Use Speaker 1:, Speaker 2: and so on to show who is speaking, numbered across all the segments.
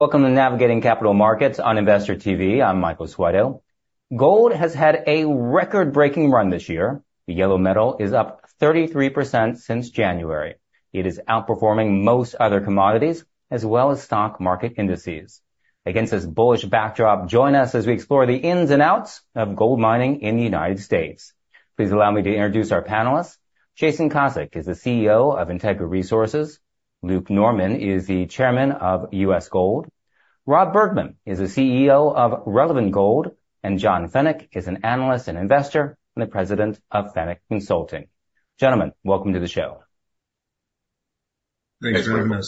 Speaker 1: Welcome to navigating capital markets on investorTV. I'm Michael Switow. Gold has had a record-breaking run this year. The yellow metal is up 33% since January. It is outperforming most other commodities, as well as stock market indices. Against this bullish backdrop, join us as we explore the ins and outs of gold mining in the United States. Please allow me to introduce our panelists. Jason Kosec is the CEO of Integra Resources. Luke Norman is the Chairman of U.S. GOLD. Rob Bergmann is the CEO of Relevant Gold, and John Feneck is an Analyst and Investor and the President of Feneck Consulting. Gentlemen, welcome to the show.
Speaker 2: Thanks very much.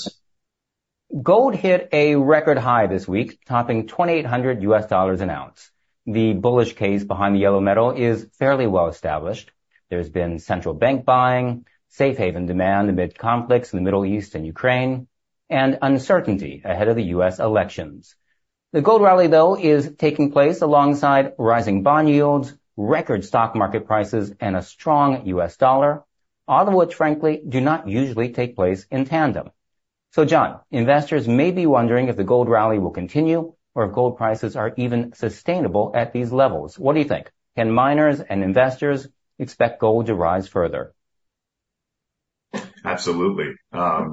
Speaker 1: Gold hit a record high this week, topping $2,800 an ounce. The bullish case behind the yellow metal is fairly well established. There's been central bank buying, safe haven demand amid conflicts in the Middle East and Ukraine, and uncertainty ahead of the U.S. elections. The gold rally, though, is taking place alongside rising bond yields, record stock market prices, and a strong U.S. dollar, all of which, frankly, do not usually take place in tandem. John, investors may be wondering if the gold rally will continue or if gold prices are even sustainable at these levels. What do you think? Can miners and investors expect gold to rise further?
Speaker 3: Absolutely.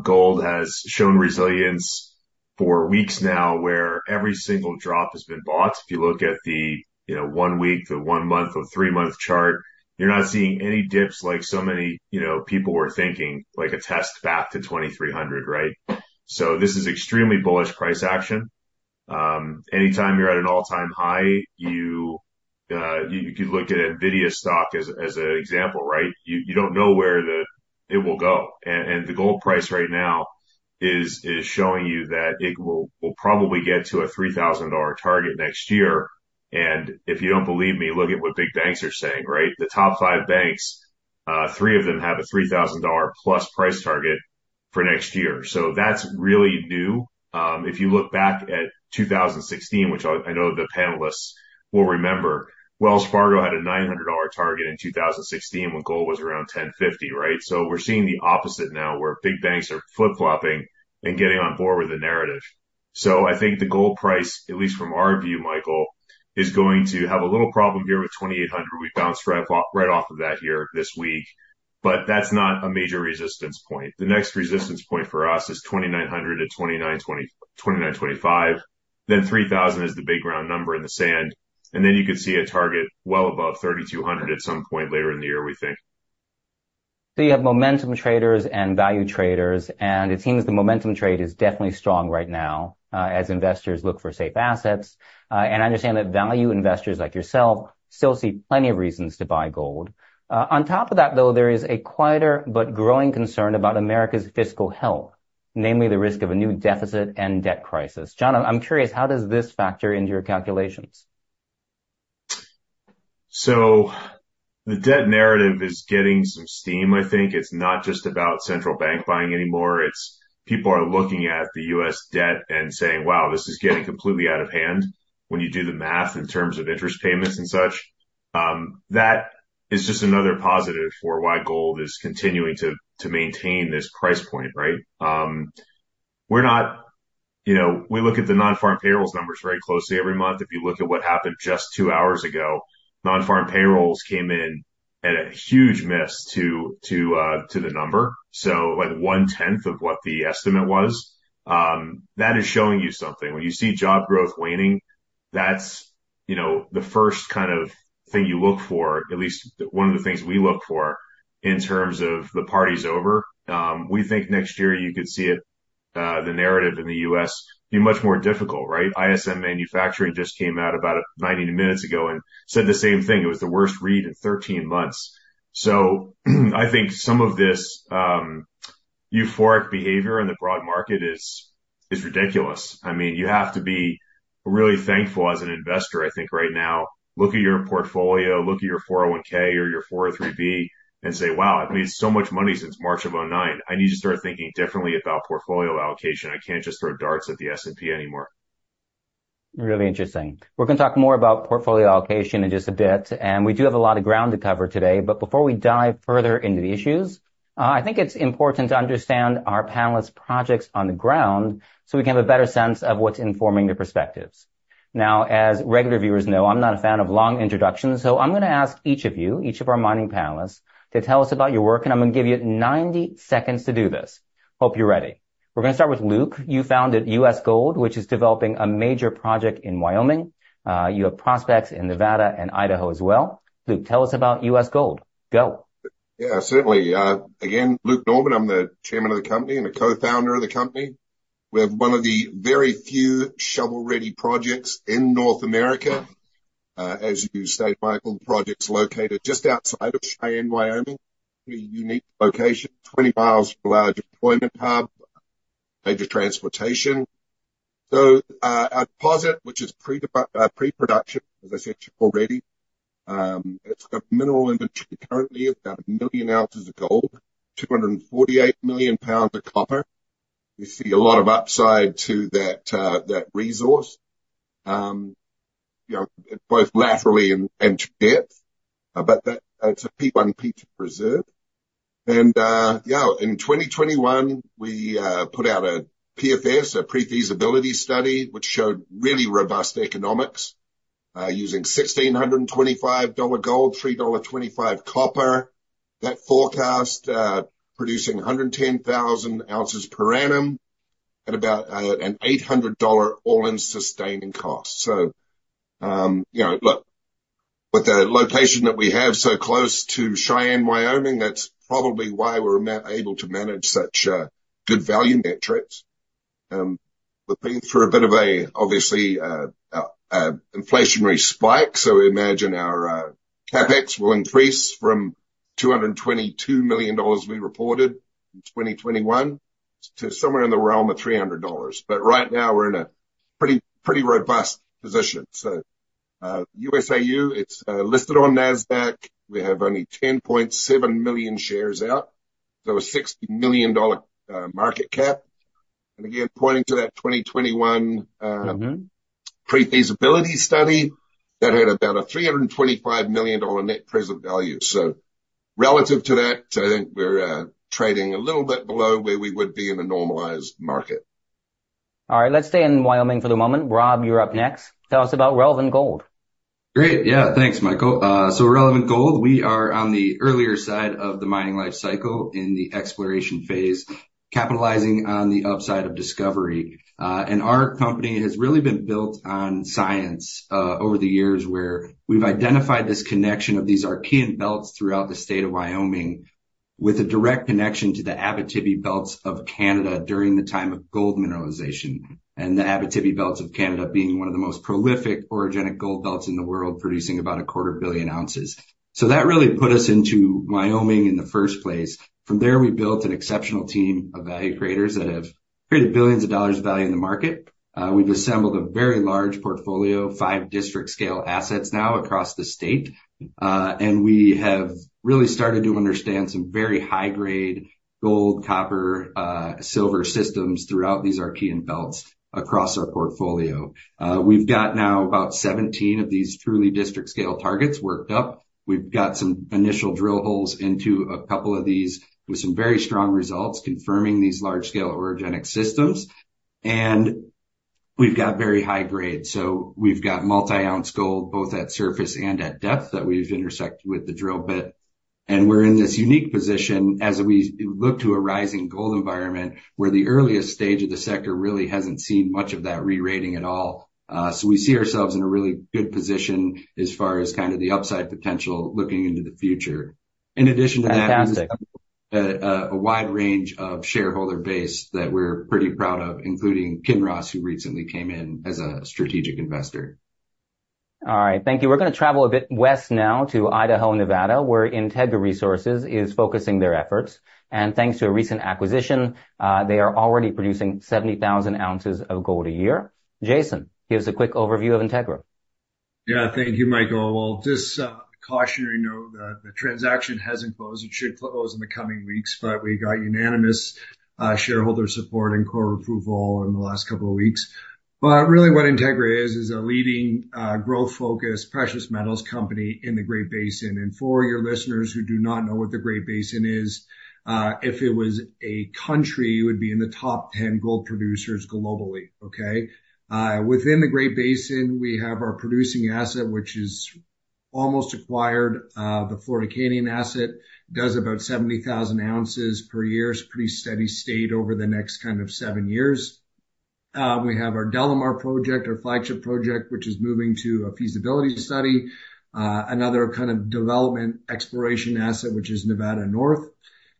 Speaker 3: Gold has shown resilience for weeks now, where every single drop has been bought. If you look at the, you know, one week to one month or three-month chart, you're not seeing any dips like so many, you know, people were thinking, like a test back to $2,300, right? This is extremely bullish price action. Anytime you're at an all-time high, you, you could look at NVIDIA stock as an example, right? You, you don't know where it will go. The gold price right now is, is showing you that it will, will probably get to a $3,000 target next year. If you don't believe me, look at what big banks are saying, right? The top five banks, three of them have a $3,000+ price target for next year. That's really new. If you look back at 2016, which I, I know the panelists will remember, Wells Fargo had a $900 target in 2016 when gold was around $1,050, right? We're seeing the opposite now, where big banks are flip-flopping and getting on board with the narrative. I think the gold price, at least from our view, Michael, is going to have a little problem here with $2,800. We bounced right off, right off of that here this week, but that's not a major resistance point. The next resistance point for us is $2,900-$2,920, $2,925. $3,000 is the big round number in the sand, and then you could see a target well above $3,200 at some point later in the year, we think.
Speaker 1: You have momentum traders and value traders, and it seems the momentum trade is definitely strong right now, as investors look for safe assets. I understand that value investors like yourself still see plenty of reasons to buy gold. On top of that, though, there is a quieter but growing concern about America's fiscal health, namely the risk of a new deficit and debt crisis. John, I'm curious, how does this factor into your calculations?
Speaker 3: The debt narrative is getting some steam. I think it's not just about central bank buying anymore, it's people are looking at the U.S. debt and saying, "Wow, this is getting completely out of hand," when you do the math in terms of interest payments and such. That is just another positive for why gold is continuing to, to maintain this price point, right? We're not-- you know, we look at the non-farm payrolls numbers very closely every month. If you look at what happened just two hours ago, non-farm payrolls came in at a huge miss to, to, to the number, so, like, 1/10 of what the estimate was. That is showing you something. When you see job growth waning, that's, you know, the first kind of thing you look for, at least one of the things we look for in terms of the party's over. We think next year you could see it, the narrative in the U.S. be much more difficult, right? ISM Manufacturing just came out about 90 minutes ago and said the same thing. It was the worst read in 13 months. I think some of this euphoric behavior in the broad market is, is ridiculous. I mean, you have to be really thankful as an investor, I think, right now. Look at your portfolio, look at your 401 or your 403 and say, "Wow, I've made so much money since March of 2009. I need to start thinking differently about portfolio allocation. I can't just throw darts at the S&P anymore.
Speaker 1: Really interesting. We're going to talk more about portfolio allocation in just a bit, and we do have a lot of ground to cover today, but before we dive further into the issues, I think it's important to understand our panelists' projects on the ground so we can have a better sense of what's informing their perspectives. As regular viewers know, I'm not a fan of long introductions, I'm going to ask each of you, each of our mining panelists, to tell us about your work, I'm going to give you 90 seconds to do this. Hope you're ready. We're going to start with Luke. You founded U.S. GOLD, which is developing a major project in Wyoming. You have prospects in Nevada and Idaho as well. Luke, tell us about U.S. GOLD. Go.
Speaker 2: Yeah, certainly. Again, Luke Norman, I'm the chairman of the company and a co-founder of the company. We have one of the very few shovel-ready projects in North America. As you stated, Michael, the project's located just outside of Cheyenne, Wyoming. A unique location, 20 mi from a large employment hub, major transportation. At posit, which is pre-production, as I said already, it's got mineral inventory currently of about 1 million oz of gold, 248 million pounds of copper. We see a lot of upside to that, that resource, you know, both laterally and, and to depth, but it's a P1, P2 reserve. In 2021, we put out a Pre-Feasibility Study, which showed really robust economics, using $1,625 gold, $3.25 copper. That forecast, producing 110,000 oz per annum at about an $800 all-in sustaining cost. You know, look, with the location that we have so close to Cheyenne, Wyoming, that's probably why we're able to manage such good value metrics. We've been through a bit of a, obviously, a inflationary spike, so we imagine our CapEx will increase from $222 million we reported in 2021 to somewhere in the realm of $300. Right now we're in a pretty, pretty robust position. USAU, it's listed on NASDAQ. We have only 10.7 million shares out, so a $60 million market cap. Again, pointing to that 2021.
Speaker 1: Mm-hmm
Speaker 2: Pre-Feasibility Study that had about a $325 million net present value. Relative to that, I think we're trading a little bit below where we would be in a normalized market.
Speaker 1: All right, let's stay in Wyoming for the moment. Rob, you're up next. Tell us about Relevant Gold.
Speaker 4: Great. Yeah, thanks, Michael. Relevant Gold, we are on the earlier side of the mining life cycle in the exploration phase, capitalizing on the upside of discovery. Our company has really been built on science over the years, where we've identified this connection of these Archean belts throughout the state of Wyoming with a direct connection to the Abitibi belts of Canada during the time of gold mineralization. The Abitibi belts of Canada being one of the most prolific orogenic gold belts in the world, producing about a quarter billion ounces. That really put us into Wyoming in the first place. From there, we built an exceptional team of value creators that have created billions of dollars of value in the market. We've assembled a very large portfolio, five district scale assets now across the state. We have really started to understand some very high-grade gold, copper, silver systems throughout these Archean belts across our portfolio. We've got now about 17 of these truly district-scale targets worked up. We've got some initial drill holes into a couple of these, with some very strong results, confirming these large-scale orogenic systems. We've got very high grades, so we've got multi-ounce gold, both at surface and at depth, that we've intersected with the drill bit. We're in this unique position as we look to a rising gold environment, where the earliest stage of the sector really hasn't seen much of that re-rating at all. We see ourselves in a really good position as far as kind of the upside potential looking into the future. In addition to that.
Speaker 1: Fantastic!
Speaker 4: A wide range of shareholder base that we're pretty proud of, including Kinross, who recently came in as a strategic investor.
Speaker 1: All right, thank you. We're going to travel a bit west now to Idaho, Nevada, where Integra Resources is focusing their efforts. Thanks to a recent acquisition, they are already producing 70,000 oz of gold a year. Jason, give us a quick overview of Integra.
Speaker 5: Yeah, thank you, Michael. Well, just a cautionary note that the transaction hasn't closed. It should close in the coming weeks, we got unanimous shareholder support and court approval in the last couple of weeks. Really what Integra is, is a leading, growth-focused, precious metals company in the Great Basin. For your listeners who do not know what the Great Basin is, if it was a country, it would be in the top 10 gold producers globally. Okay? Within the Great Basin, we have our producing asset, which is almost acquired. The Florida Canyon asset does about 70,000 oz per year. It's pretty steady state over the next kind of seven years. We have our DeLamar Project, our flagship project, which is moving to a Feasibility Study. Another kind of development exploration asset, which is Nevada North.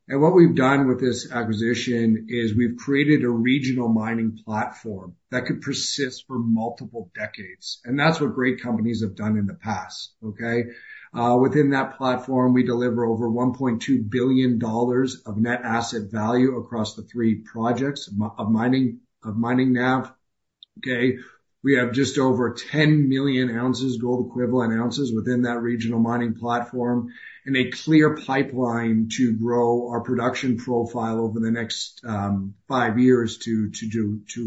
Speaker 5: What we've done with this acquisition is we've created a regional mining platform that could persist for multiple decades, and that's what great companies have done in the past, okay? Within that platform, we deliver over $1.2 billion of net asset value across the three projects of mining now. Okay, we have just over 10 million oz, gold equivalent ounces, within that regional mining platform and a clear pipeline to grow our production profile over the next five years to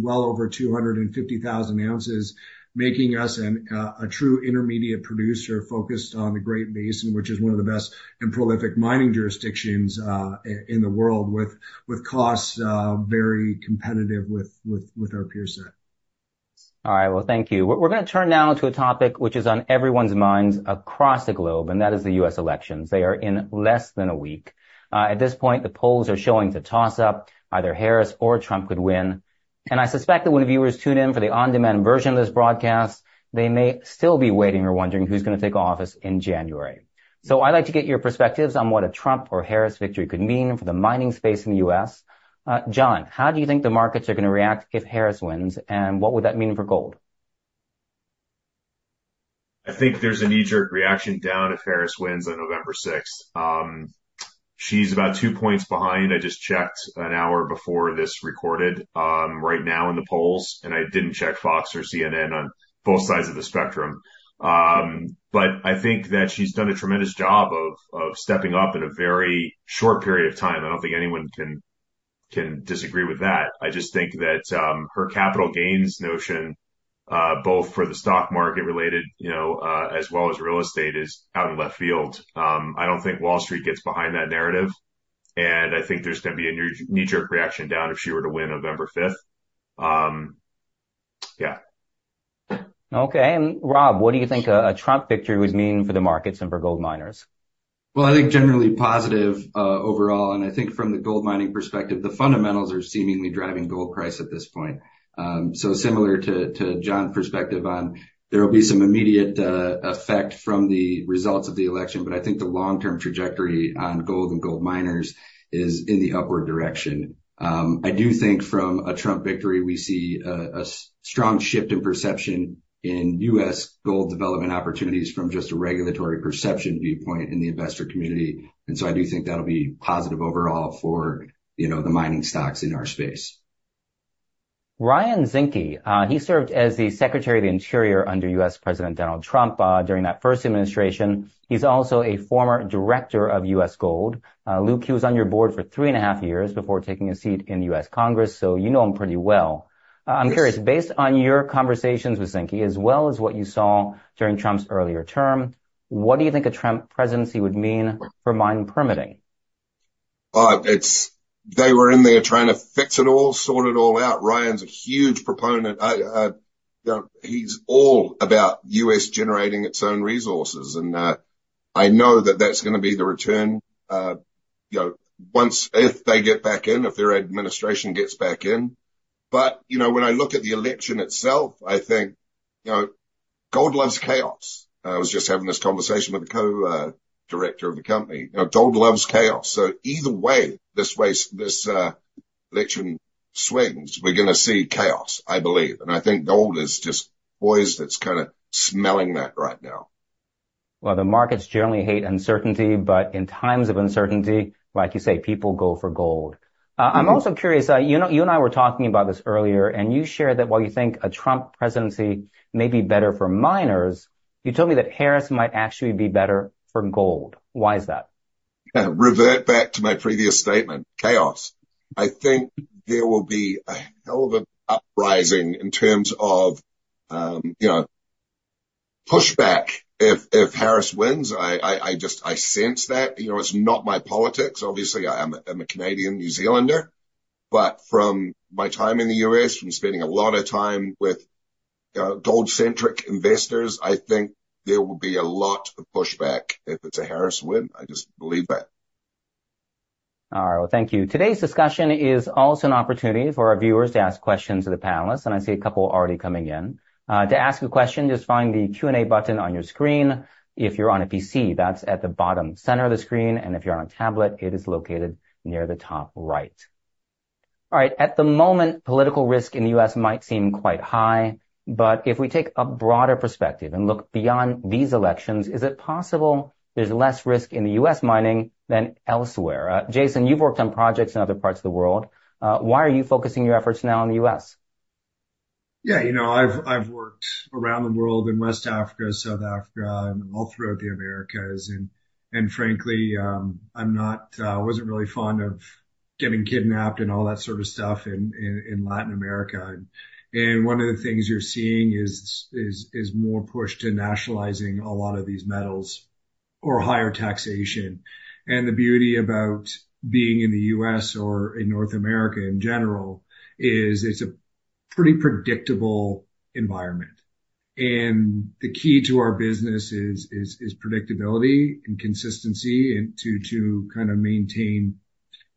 Speaker 5: well over 250,000 oz, making us an a true intermediate producer focused on the Great Basin, which is one of the best and prolific mining jurisdictions in the world, with costs very competitive with our peer set.
Speaker 1: All right. Well, thank you. We're going to turn now to a topic which is on everyone's minds across the globe, and that is the U.S. elections. They are in less than a week. At this point, the polls are showing it's a toss-up. Either Harris or Trump could win, and I suspect that when viewers tune in for the on-demand version of this broadcast, they may still be waiting or wondering who's going to take office in January. I'd like to get your perspectives on what a Trump or Harris victory could mean for the mining space in the U.S. John, how do you think the markets are going to react if Harris wins, and what would that mean for gold?
Speaker 3: I think there's a knee-jerk reaction down if Harris wins on November sixth. She's about two points behind. I just checked an hour before this recorded, right now in the polls, I didn't check Fox or CNN on both sides of the spectrum. I think that she's done a tremendous job of, of stepping up in a very short period of time. I don't think anyone can disagree with that. I just think that her capital gains notion, both for the stock market related, you know, as well as real estate, is out of left field. I don't think Wall Street gets behind that narrative, I think there's gonna be a knee-jerk reaction down if she were to win November 5th, 2024. Yeah.
Speaker 1: Okay, Rob, what do you think a Trump victory would mean for the markets and for gold miners?
Speaker 4: Well, I think generally positive overall. I think from the gold mining perspective, the fundamentals are seemingly driving gold price at this point. Similar to, to John's perspective on there will be some immediate effect from the results of the election, I think the long-term trajectory on gold and gold miners is in the upward direction. I do think from a Trump victory, we see a, a strong shift in perception in U.S. gold development opportunities from just a regulatory perception viewpoint in the investor community. I do think that'll be positive overall for, you know, the mining stocks in our space.
Speaker 1: Ryan Zinke, he served as the Secretary of the Interior under U.S. President Donald Trump, during that first administration. He's also a former director of U.S. GOLD. Luke, he was on your board for three and a half years before taking a seat in the U.S. Congress, so you know him pretty well. I'm curious, based on your conversations with Zinke, as well as what you saw during Trump's earlier term, what do you think a Trump presidency would mean for mine permitting?
Speaker 2: They were in there trying to fix it all, sort it all out. Ryan's a huge proponent. I, you know, he's all about U.S. generating its own resources, and I know that that's gonna be the return, you know, once if they get back in, if their administration gets back in. You know, when I look at the election itself, I think, you know, gold loves chaos. I was just having this conversation with the co-director of the company. You know, gold loves chaos, so either way, this way, this election swings, we're gonna see chaos, I believe, and I think gold is just boys that's kind of smelling that right now.
Speaker 1: The markets generally hate uncertainty, but in times of uncertainty, like you say, people go for gold. I'm also curious, you know, you and I were talking about this earlier, and you shared that while you think a Trump presidency may be better for miners, you told me that Harris might actually be better for gold. Why is that?
Speaker 2: Yeah, revert back to my previous statement, chaos. I think there will be a hell of an uprising in terms of, you know, pushback if Harris wins. I just sense that, you know, it's not my politics. Obviously, I'm a Canadian New Zealander, but from my time in the U.S., from spending a lot of time with gold-centric investors, I think there will be a lot of pushback if it's a Harris win. I just believe that.
Speaker 1: All right. Well, thank you. Today's discussion is also an opportunity for our viewers to ask questions of the panelists, and I see a couple already coming in. To ask a question, just find the Q&A button on your screen. If you're on a PC, that's at the bottom center of the screen, and if you're on a tablet, it is located near the top right. All right, at the moment, political risk in the U.S. might seem quite high, but if we take a broader perspective and look beyond these elections, is it possible there's less risk in the U.S. mining than elsewhere? Jason, you've worked on projects in other parts of the world. Why are you focusing your efforts now on the U.S.?
Speaker 5: Yeah, you know, I've, I've worked around the world, in West Africa, South Africa, and all throughout the Americas, frankly, I'm not, wasn't really fond of getting kidnapped and all that sort of stuff in Latin America. One of the things you're seeing is more push to nationalizing a lot of these metals or higher taxation. The beauty about being in the U.S. or in North America in general is it's a pretty predictable environment, and the key to our business is predictability and consistency, to kind of maintain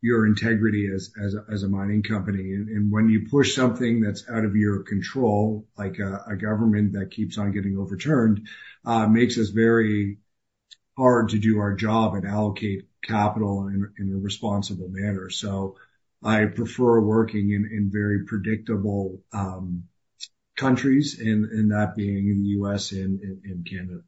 Speaker 5: your integrity as a mining company. When you push something that's out of your control, like a government that keeps on getting overturned, makes us very hard to do our job and allocate capital in a responsible manner. I prefer working in, in very predictable, countries and, and that being in the U.S. and in, in Canada.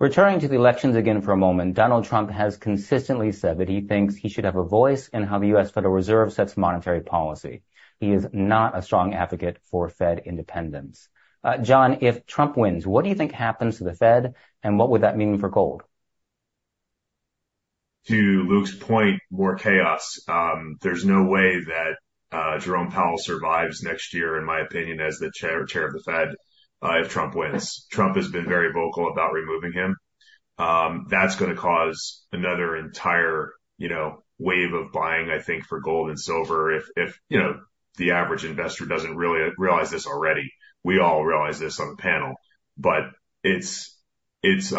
Speaker 1: Returning to the elections again for a moment, Donald Trump has consistently said that he thinks he should have a voice in how the Federal Reserve System sets monetary policy. He is not a strong advocate for Fed independence. John, if Trump wins, what do you think happens to the Fed, and what would that mean for gold?
Speaker 3: To Luke's point, more chaos. There's no way that Jerome Powell survives next year, in my opinion, as the chair of the Fed, if Trump wins. Trump has been very vocal about removing him. That's gonna cause another entire, you know, wave of buying, I think, for gold and silver. If, you know, the average investor doesn't really realize this already, we all realize this on the panel, but it's, it's,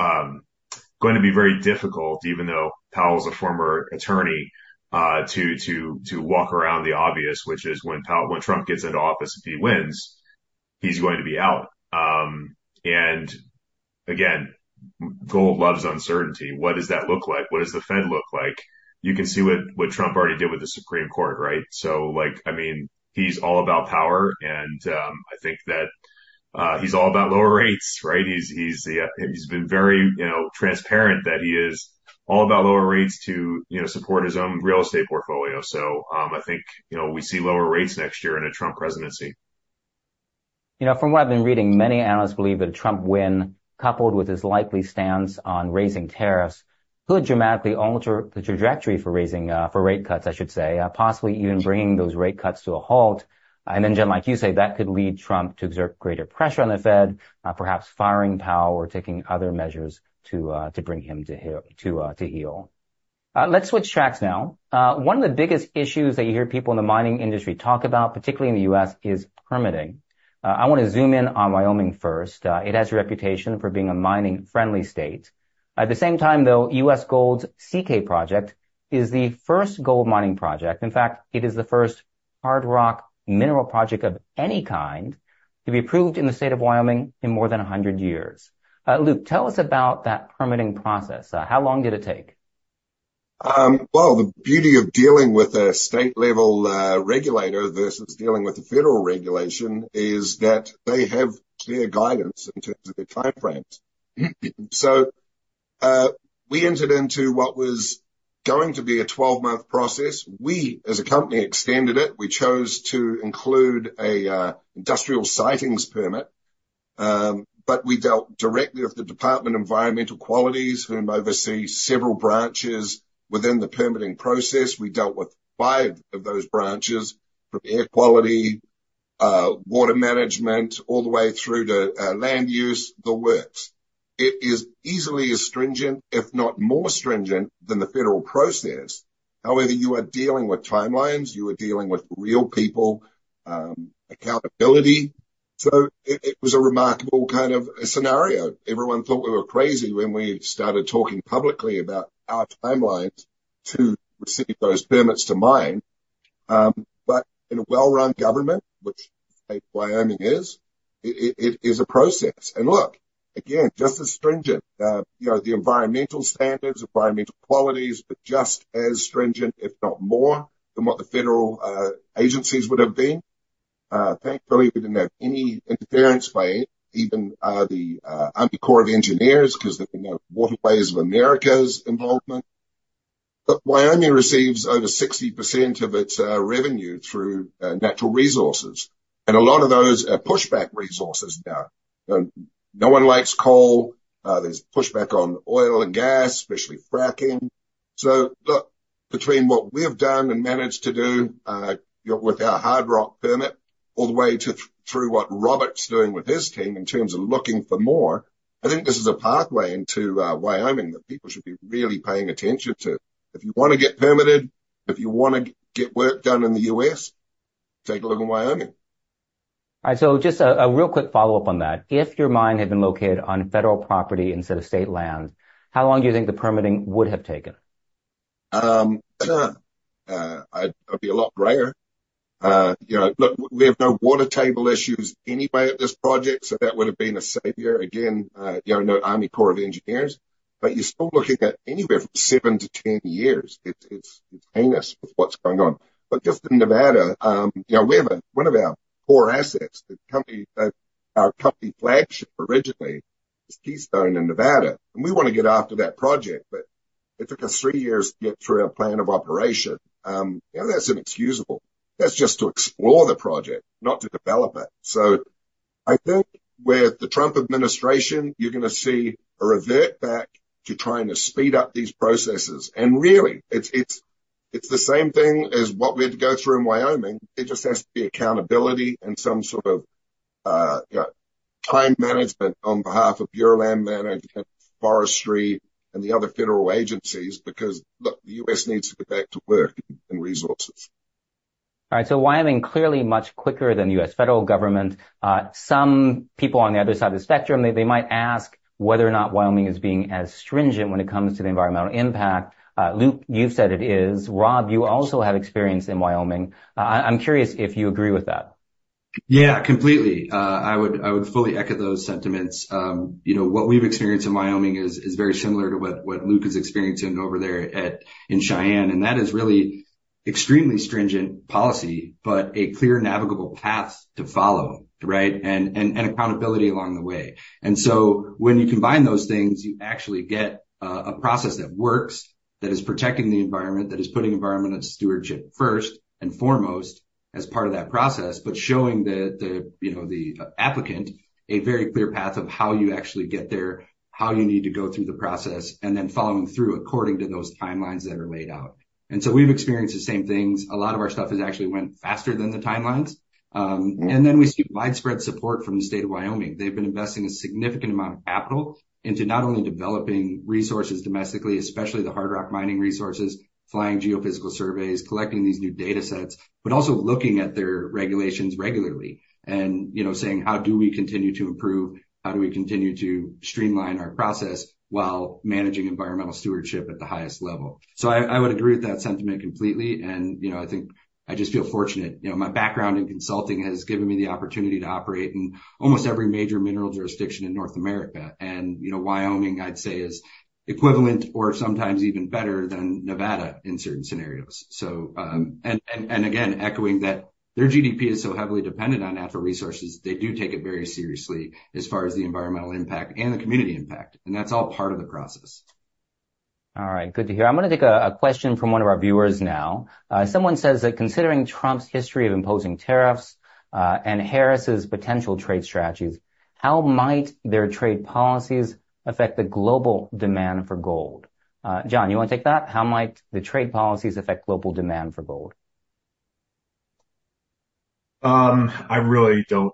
Speaker 3: going to be very difficult, even though Powell is a former Attorney, to walk around the obvious, which is when Trump gets into office, if he wins, he's going to be out. Again, gold loves uncertainty. What does that look like? What does the Fed look like? You can see what Trump already did with the Supreme Court, right? Like, I mean, he's all about power and, I think that, he's all about lower rates, right? He's, he's, he's been very, you know, transparent that he is all about lower rates to, you know, support his own real estate portfolio. I think, you know, we see lower rates next year in a Trump presidency.
Speaker 1: You know, from what I've been reading, many analysts believe that a Trump win, coupled with his likely stance on raising tariffs, could dramatically alter the trajectory for raising, for rate cuts, I should say, possibly even bringing those rate cuts to a halt. John, like you say, that could lead Trump to exert greater pressure on the Fed, perhaps firing Powell or taking other measures to bring him to heel, to heel. Let's switch tracks now. One of the biggest issues that you hear people in the mining industry talk about, particularly in the U.S., is permitting. I want to zoom in on Wyoming first. It has a reputation for being a mining-friendly state. At the same time, though, U.S. GOLD's CK project is the first gold mining project. In fact, it is the first hard rock mineral project of any kind to be approved in the state of Wyoming in more than 100 years. Luke, tell us about that permitting process. How long did it take?
Speaker 2: Well, the beauty of dealing with a state-level regulator versus dealing with the federal regulation is that they have clear guidance in terms of their time frames. We entered into what was going to be a 12-month process. We, as a company, extended it. We chose to include a Industrial Siting Permit, but we dealt directly with the Department of Environmental Quality, whom oversee several branches within the permitting process. We dealt with five of those branches, from Air Quality, Water Management, all the way through to land use, the works. It is easily as stringent, if not more stringent than the federal process. However, you are dealing with timelines, you are dealing with real people, accountability. It was a remarkable kind of scenario. Everyone thought we were crazy when we started talking publicly about our timelines to receive those permits to mine. In a well-run government, which Wyoming is, it, it, it is a process. Look, again, just as stringent, you know, the environmental standards, environmental qualities, but just as stringent, if not more, than what the federal agencies would have been. Thankfully, we didn't have any interference by even the Army Corps of Engineers because there was no Waterways of America's involvement. Wyoming receives over 60% of its revenue through natural resources, and a lot of those are pushback resources now. No one likes coal. There's pushback on oil and gas, especially fracking. Look, between what we have done and managed to do, with our hard rock permit, all the way to through what Robert's doing with his team in terms of looking for more, I think this is a pathway into, Wyoming that people should be really paying attention to. If you want to get permitted, if you want to get work done in the U.S., take a look at Wyoming.
Speaker 1: All right, just a real quick follow-up on that. If your mine had been located on federal property instead of state land, how long do you think the permitting would have taken?
Speaker 2: It'd be a lot greater. You know, look, we have no water table issues anyway at this project. That would have been a savior. Again, you know, no Army Corps of Engineers. You're still looking at anywhere from seven to 10 years. It's, it's, it's heinous with what's going on. Just in Nevada, you know, we have one of our core assets, the company, our company flagship originally, is Keystone in Nevada. We want to get after that project. It took us three years to get through our Plan of Operation. You know, that's inexcusable. That's just to explore the project, not to develop it. I think with the Trump administration, you're going to see a revert back to trying to speed up these processes. Really, it's, it's, it's the same thing as what we had to go through in Wyoming. It just has to be accountability and some sort of, you know, time management on behalf of Bureau of Land Management, Forestry and the other federal agencies, because, look, the U.S. needs to get back to work in resources.
Speaker 1: All right, Wyoming, clearly much quicker than the U.S. federal government. Some people on the other side of the spectrum, they, they might ask whether or not Wyoming is being as stringent when it comes to the environmental impact. Luke, you've said it is. Rob, you also have experience in Wyoming. I, I'm curious if you agree with that.
Speaker 4: Yeah, completely. I would, I would fully echo those sentiments. You know, what we've experienced in Wyoming is, is very similar to what, what Luke is experiencing over there at, in Cheyenne, and that is really extremely stringent policy, but a clear navigable path to follow, right? Accountability along the way. When you combine those things, you actually get a process that works, that is protecting the environment, that is putting environmental stewardship first and foremost as part of that process, but showing the, the, you know, the applicant a very clear path of how you actually get there, how you need to go through the process, and then following through according to those timelines that are laid out. We've experienced the same things. A lot of our stuff has actually went faster than the timelines. We see widespread support from the state of Wyoming. They've been investing a significant amount of capital into not only developing resources domestically, especially the hard rock mining resources, flying geophysical surveys, collecting these new data sets, but also looking at their regulations regularly and, you know, saying: How do we continue to improve? How do we continue to streamline our process while managing environmental stewardship at the highest level? I, I would agree with that sentiment completely, you know, I think I just feel fortunate. You know, my background in consulting has given me the opportunity to operate in almost every major mineral jurisdiction in North America. You know, Wyoming, I'd say, is equivalent or sometimes even better than Nevada in certain scenarios. Again, echoing that their GDP is so heavily dependent on natural resources, they do take it very seriously as far as the environmental impact and the community impact, and that's all part of the process.
Speaker 1: All right, good to hear. I'm going to take a, a question from one of our viewers now. Someone says that considering Trump's history of imposing tariffs, and Harris' potential trade strategies, how might their trade policies affect the global demand for gold? John, you want to take that? How might the trade policies affect global demand for gold?
Speaker 3: I really don't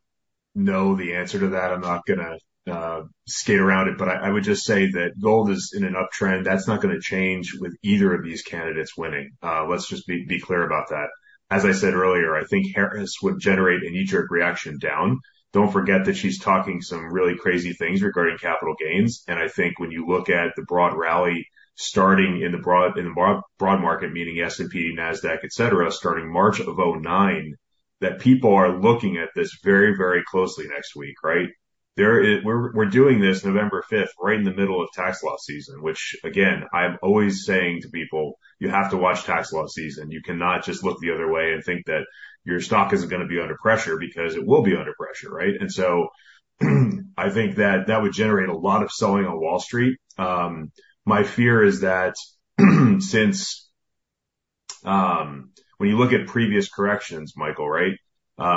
Speaker 3: know the answer to that. I'm not going to skate around it, but I, I would just say that gold is in an uptrend. That's not going to change with either of these candidates winning. Let's just be clear about that. As I said earlier, I think Harris would generate a knee-jerk reaction down. Don't forget that she's talking some really crazy things regarding capital gains, and I think when you look at the broad rally, starting in the broad, in the broad, broad market, meaning S&P, Nasdaq, et cetera, starting March 2009, that people are looking at this very, very closely next week, right? We're doing this November 5th, right in the middle of tax law season, which, again, I'm always saying to people, "You have to watch tax law season. You cannot just look the other way and think that your stock isn't going to be under pressure, because it will be under pressure," right? I think that that would generate a lot of selling on Wall Street. My fear is that, since, When you look at previous corrections, Michael, right,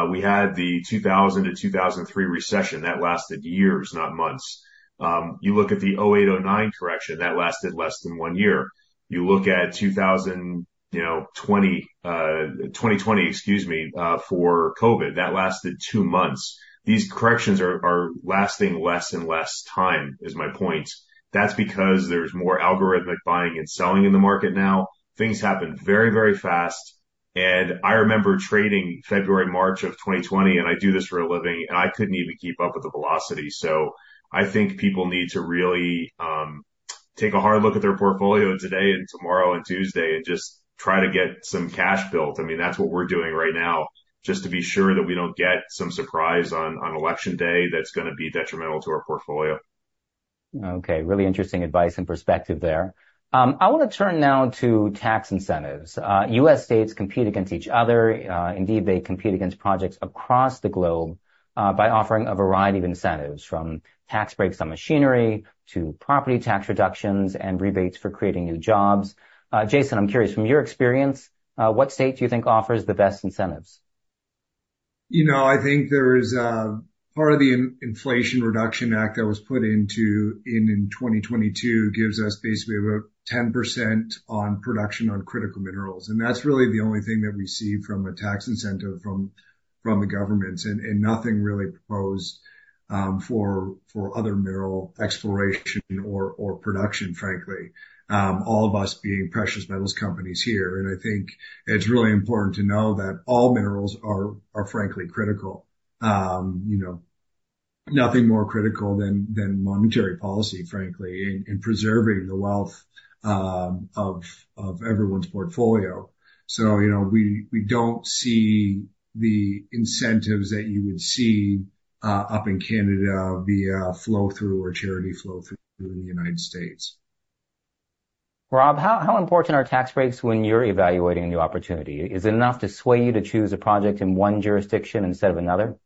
Speaker 3: we had the 2000 to 2003 recession, that lasted years, not months. You look at the 2008, 2009 correction, that lasted less than one year. You look at 2020, excuse me, for COVID, that lasted two months. These corrections are, are lasting less and less time, is my point. That's because there's more algorithmic buying and selling in the market now. Things happen very, very fast, and I remember trading February, March of 2020, and I do this for a living, and I couldn't even keep up with the velocity. I think people need to really take a hard look at their portfolio today and tomorrow and Tuesday and just try to get some cash built. I mean, that's what we're doing right now, just to be sure that we don't get some surprise on Election Day that's going to be detrimental to our portfolio.
Speaker 1: Okay, really interesting advice and perspective there. I want to turn now to tax incentives. U.S. states compete against each other, indeed, they compete against projects across the globe, by offering a variety of incentives, from tax breaks on machinery to property tax reductions and rebates for creating new jobs. Jason, I'm curious, from your experience, what state do you think offers the best incentives?
Speaker 5: You know, I think there is part of the Inflation Reduction Act that was put into in 2022, gives us basically about 10% on production on critical minerals, and that's really the only thing that we see from a tax incentive from the governments, and nothing really proposed for other mineral exploration or production, frankly. All of us being precious metals companies here, and I think it's really important to know that all minerals are frankly critical. You know, nothing more critical than monetary policy, frankly, in preserving the wealth of everyone's portfolio. You know, we don't see the incentives that you would see up in Canada via flow-through or charity flow-through in the United States.
Speaker 1: Rob, how important are tax breaks when you're evaluating a new opportunity? Is it enough to sway you to choose a project in one jurisdiction instead of another?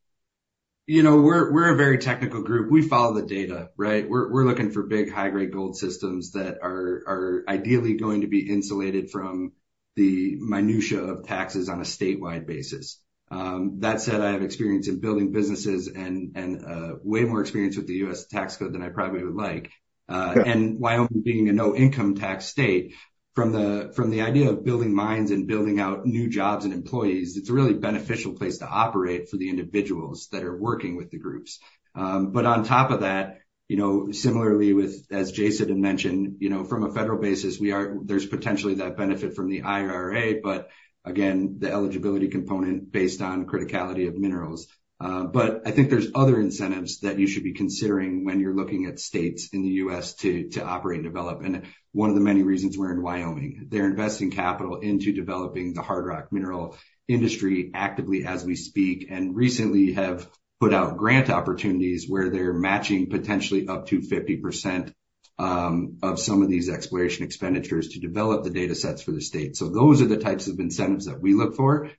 Speaker 4: You know, we're, we're a very technical group. We follow the data, right? We're, we're looking for big, high-grade gold systems that are, are ideally going to be insulated from the minutiae of taxes on a statewide basis. That said, I have experience in building businesses and, and way more experience with the U.S. tax code than I probably would like. Wyoming being a no income tax state, from the, from the idea of building mines and building out new jobs and employees, it's a really beneficial place to operate for the individuals that are working with the groups. On top of that, you know, similarly with, as Jason had mentioned, you know, from a federal basis, there's potentially that benefit from the IRA, but again, the eligibility component based on criticality of minerals. I think there's other incentives that you should be considering when you're looking at states in the U.S. to, to operate and develop, and one of the many reasons we're in Wyoming. They're investing capital into developing the hard rock mineral industry actively as we speak, and recently have put out grant opportunities where they're matching potentially up to 50% of some of these exploration expenditures to develop the data sets for the state. Those are the types of incentives that we look for,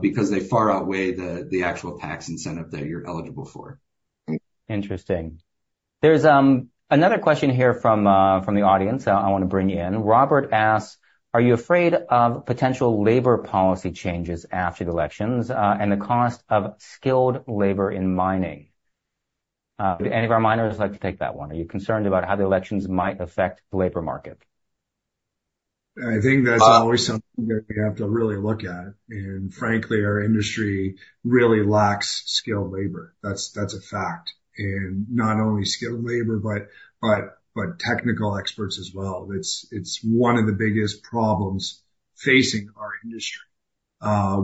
Speaker 4: because they far outweigh the, the actual tax incentive that you're eligible for.
Speaker 1: Interesting. There's, another question here from, from the audience, I want to bring in. Robert asks, "Are you afraid of potential labor policy changes after the elections, and the cost of skilled labor in mining?" Would any of our miners like to take that one? Are you concerned about how the elections might affect the labor market?
Speaker 5: I think that's always something that you have to really look at. Frankly, our industry really lacks skilled labor. That's a fact. Not only skilled labor, but technical experts as well. It's one of the biggest problems facing our industry,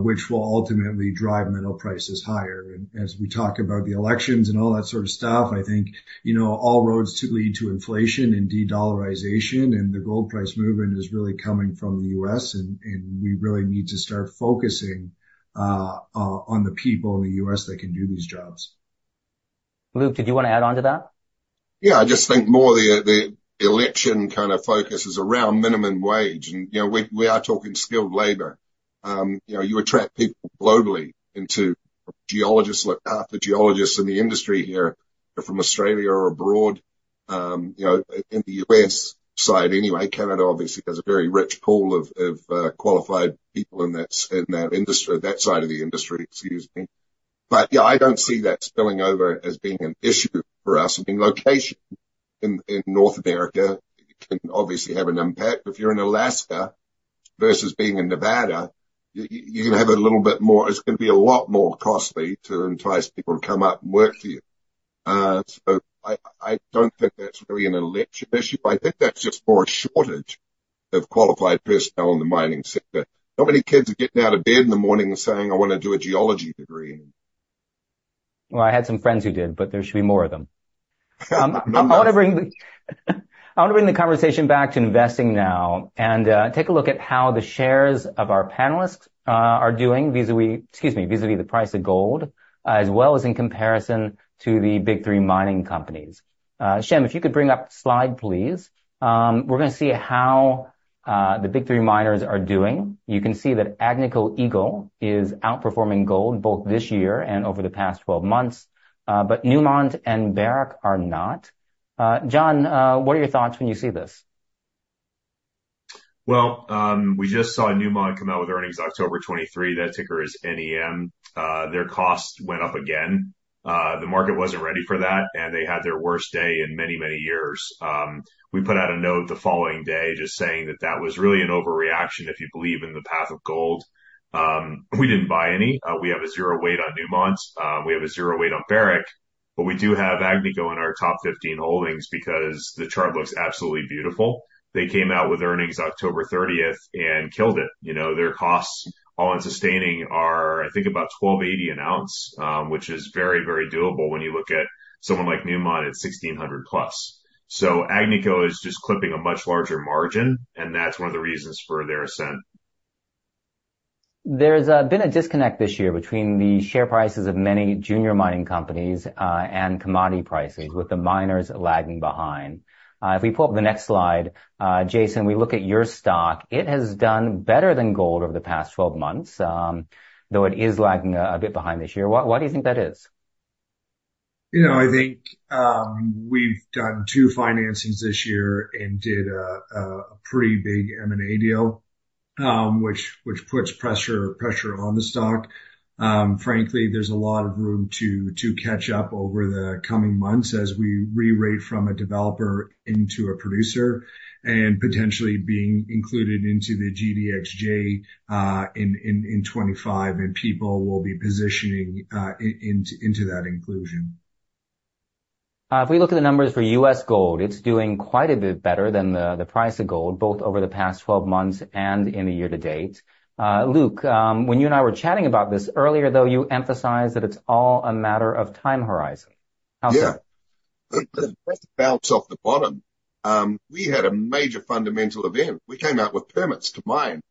Speaker 5: which will ultimately drive mineral prices higher. As we talk about the elections and all that sort of stuff, I think, you know, all roads to lead to inflation and de-dollarization. The gold price movement is really coming from the U.S. We really need to start focusing on the people in the U.S. that can do these jobs.
Speaker 1: Luke, did you want to add on to that?
Speaker 2: Yeah, I just think more the, the election kind of focus is around minimum wage, and, you know, we, we are talking skilled labor. You know, you attract people globally into geologists. Look, half the geologists in the industry here are from Australia or abroad, you know, in the U.S. side anyway. Canada obviously has a very rich pool of, of qualified people in that, in that industry, that side of the industry, excuse me. Yeah, I don't see that spilling over as being an issue for us. I mean, location in, in North America can obviously have an impact. If you're in Alaska versus being in Nevada, you, you're going to have a little bit more. It's going to be a lot more costly to entice people to come up and work for you. I, I don't think that's really an election issue. I think that's just more a shortage of qualified personnel in the mining sector. Not many kids are getting out of bed in the morning and saying, "I want to do a geology degree.
Speaker 1: Well, I had some friends who did, but there should be more of them. I want to bring the, I want to bring the conversation back to investing now and take a look at how the shares of our panelists are doing vis-a-vis, excuse me, vis-a-vis the price of gold, as well as in comparison to the big three mining companies. Shem, if you could bring up the slide, please. We're going to see how the big three miners are doing. You can see that Agnico Eagle is outperforming gold both this year and over the past 12 months, but Newmont and Barrick are not. John, what are your thoughts when you see this?
Speaker 3: Well, we just saw Newmont come out with earnings October 23. That ticker is NEM. Their costs went up again. The market wasn't ready for that. They had their worst day in many, many years. We put out a note the following day just saying that that was really an overreaction, if you believe in the path of gold. We didn't buy any. We have a zero weight on Newmont. We have a zero weight on Barrick. We do have Agnico in our top 15 holdings because the chart looks absolutely beautiful. They came out with earnings October 30th, 2024 and killed it. You know, their costs on sustaining are, I think, about $1,280 an ounce, which is very, very doable when you look at someone like Newmont at $1,600+. Agnico is just clipping a much larger margin, and that's one of the reasons for their ascent.
Speaker 1: There's been a disconnect this year between the share prices of many junior mining companies and commodity prices, with the miners lagging behind. If we pull up the next slide, Jason, we look at your stock. It has done better than gold over the past 12 months, though it is lagging a bit behind this year. Why, why do you think that is?
Speaker 5: You know, I think, we've done two financings this year and did a pretty big M&A deal, which, which puts pressure, pressure on the stock. Frankly, there's a lot of room to, to catch up over the coming months as we re-rate from a developer into a producer and potentially being included into the GDXJ in 2025, people will be positioning into that inclusion.
Speaker 1: If we look at the numbers for U.S. GOLD, it's doing quite a bit better than the, the price of gold, both over the past 12 months and in the year to date. Luke, when you and I were chatting about this earlier, though, you emphasized that it's all a matter of time horizon. How's that?
Speaker 2: Yeah. That's a bounce off the bottom. We had a major fundamental event. We came out with permits to mine.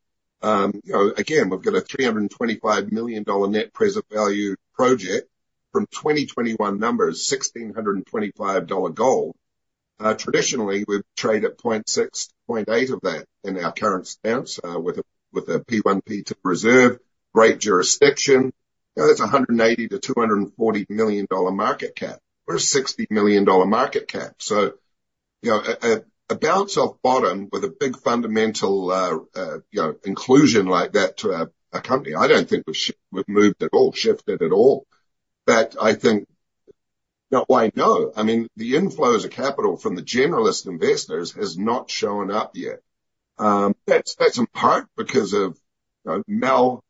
Speaker 2: You know, again, we've got a $325 million net present value project from 2021 numbers, $1,625 gold. Traditionally, we've traded at 0.6-0.8 of that in our current stance, with a P1P to preserve, great jurisdiction. You know, that's a $180 million-$240 million market cap, or a $60 million market cap. You know, a, a, a bounce off bottom with a big fundamental, you know, inclusion like that to a, a company, I don't think we've moved at all, shifted at all. I think... No, I know. I mean, the inflows of capital from the generalist investors has not shown up yet. That's, that's in part because of, you know, mal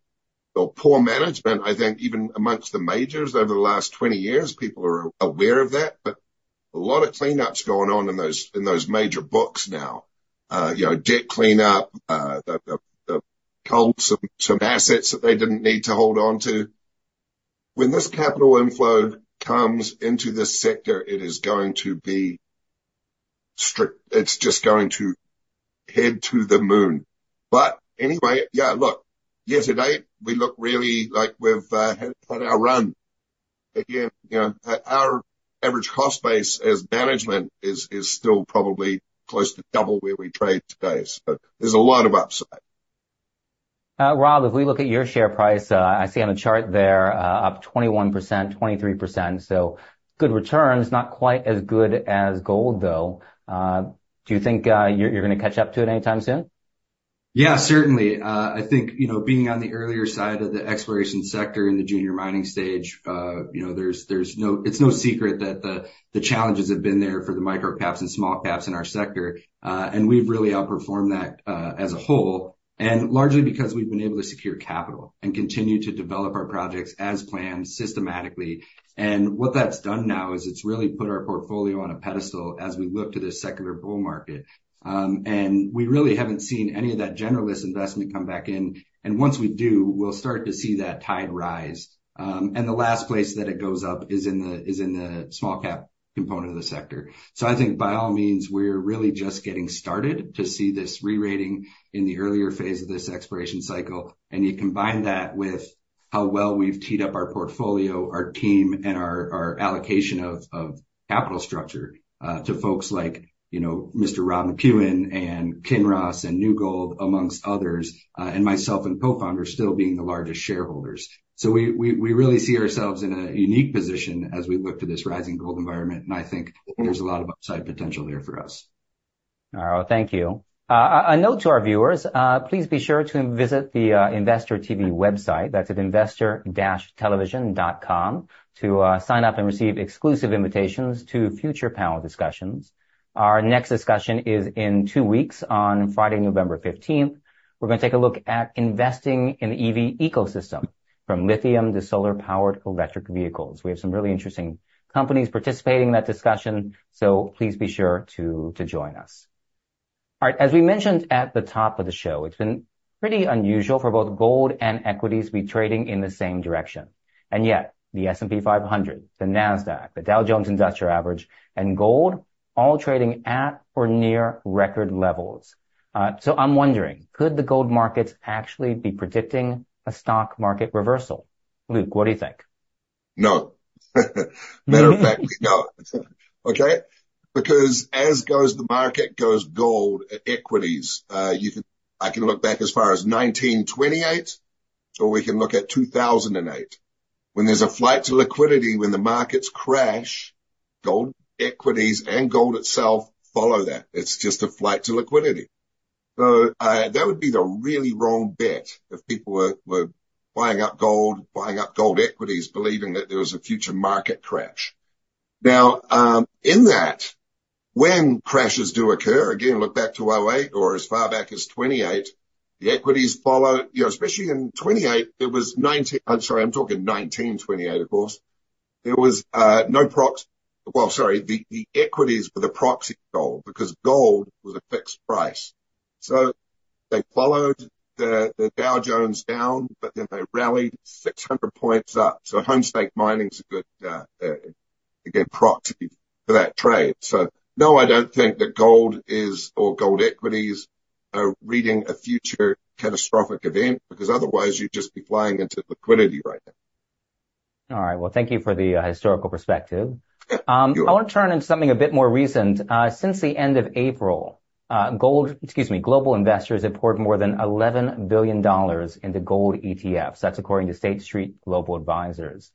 Speaker 2: or poor management. I think even amongst the majors over the last 20 years, people are aware of that, but a lot of cleanup's going on in those, in those major books now. You know, debt cleanup, the, the, the cults of some assets that they didn't need to hold on to. When this capital inflow comes into this sector, it is going to be strict. It's just going to head to the moon. Anyway, yeah, look, yesterday we looked really like we've had our run again. You know, our average cost base as management is, is still probably close to double where we trade today, so there's a lot of upside.
Speaker 1: Rob, if we look at your share price, I see on the chart there, up 21%, 23%, so good returns. Not quite as good as gold, though. Do you think, you're, you're gonna catch up to it anytime soon?
Speaker 4: Yeah, certainly. I think, you know, being on the earlier side of the exploration sector in the junior mining stage, you know, it's no secret that the challenges have been there for the micro caps and small caps in our sector. We've really outperformed that, as a whole, and largely because we've been able to secure capital and continue to develop our projects as planned, systematically. What that's done now is it's really put our portfolio on a pedestal as we look to this secular bull market. We really haven't seen any of that generalist investment come back in, and once we do, we'll start to see that tide rise. The last place that it goes up is in the, is in the small cap component of the sector. I think by all means, we're really just getting started to see this re-rating in the earlier phase of this exploration cycle. You combine that with how well we've teed up our portfolio, our team, and our, our allocation of, of capital structure, to folks like, you know, Mr. Rob McEwen and Kinross and New Gold, amongst others, and myself and co-founders still being the largest shareholders. We really see ourselves in a unique position as we look to this rising gold environment, and I think there's a lot of upside potential there for us.
Speaker 1: All right, thank you. A note to our viewers, please be sure to visit the investorTV website. That's at investor-television.com to sign up and receive exclusive invitations to future panel discussions. Our next discussion is in two weeks, on Friday, November 15th, 2024. We're gonna take a look at investing in the EV ecosystem, from lithium to solar-powered electric vehicles. We have some really interesting companies participating in that discussion, so please be sure to, to join us. All right, as we mentioned at the top of the show, it's been pretty unusual for both gold and equities to be trading in the same direction, yet the S&P 500, the Nasdaq, the Dow Jones Industrial Average, and gold all trading at or near record levels. I'm wondering, could the gold markets actually be predicting a stock market reversal? Luke, what do you think?
Speaker 2: No. Matter of fact, no. Okay? Because as goes the market, goes gold and equities. I can look back as far as 1928, or we can look at 2008. When there's a flight to liquidity, when the markets crash, gold equities and gold itself follow that. It's just a flight to liquidity. That would be the really wrong bet if people were, were buying up gold, buying up gold equities, believing that there was a future market crash. Now, in that, when crashes do occur, again, look back to 2008 or as far back as 1928, the equities follow. You know, especially in 1928, it was... I'm sorry, I'm talking 1928, of course. There was, no prox- well, sorry, the equities were the proxy gold because gold was a fixed price, so they followed the Dow Jones down, but then they rallied 600 points up. Homestake Mining Company's a good, again, proxy for that trade. No, I don't think that gold is, or gold equities are reading a future catastrophic event, because otherwise you'd just be flying into liquidity right now.
Speaker 1: All right. Well, thank you for the historical perspective.
Speaker 2: Yeah, you're welcome.
Speaker 1: I want to turn into something a bit more recent. Since the end of April, gold, excuse me, global investors have poured more than $11 billion into gold ETFs. That's according to State Street Global Advisors.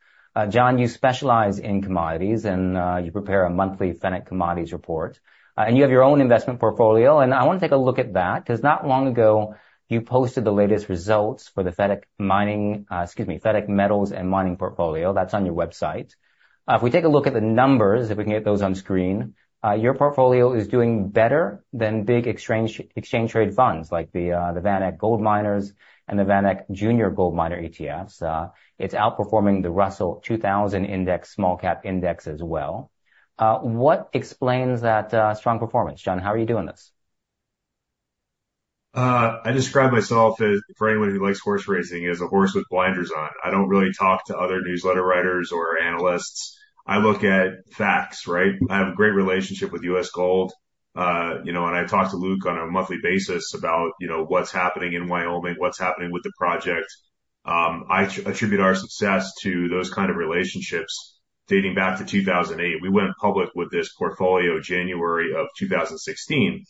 Speaker 1: John, you specialize in commodities, and you prepare a monthly Feneck Commodities Report, and you have your own investment portfolio, and I want to take a look at that. 'Cause not long ago, you posted the latest results for the Feneck Mining, excuse me, Feneck Metals and Mining portfolio. That's on your website. If we take a look at the numbers, if we can get those on screen, your portfolio is doing better than big exchange, exchange-traded funds like the VanEck Gold Miners and the VanEck Junior Gold Miner ETFs. It's outperforming the Russell 2,000 index, small cap index as well. What explains that strong performance, John? How are you doing this?
Speaker 3: I describe myself as for anyone who likes horse racing, as a horse with blinders on. I don't really talk to other newsletter writers or analysts. I look at facts, right? I have a great relationship with U.S. GOLD. You know, I talk to Luke on a monthly basis about, you know, what's happening in Wyoming, what's happening with the project. I attribute our success to those kind of relationships dating back to 2008. We went public with this portfolio January 2016,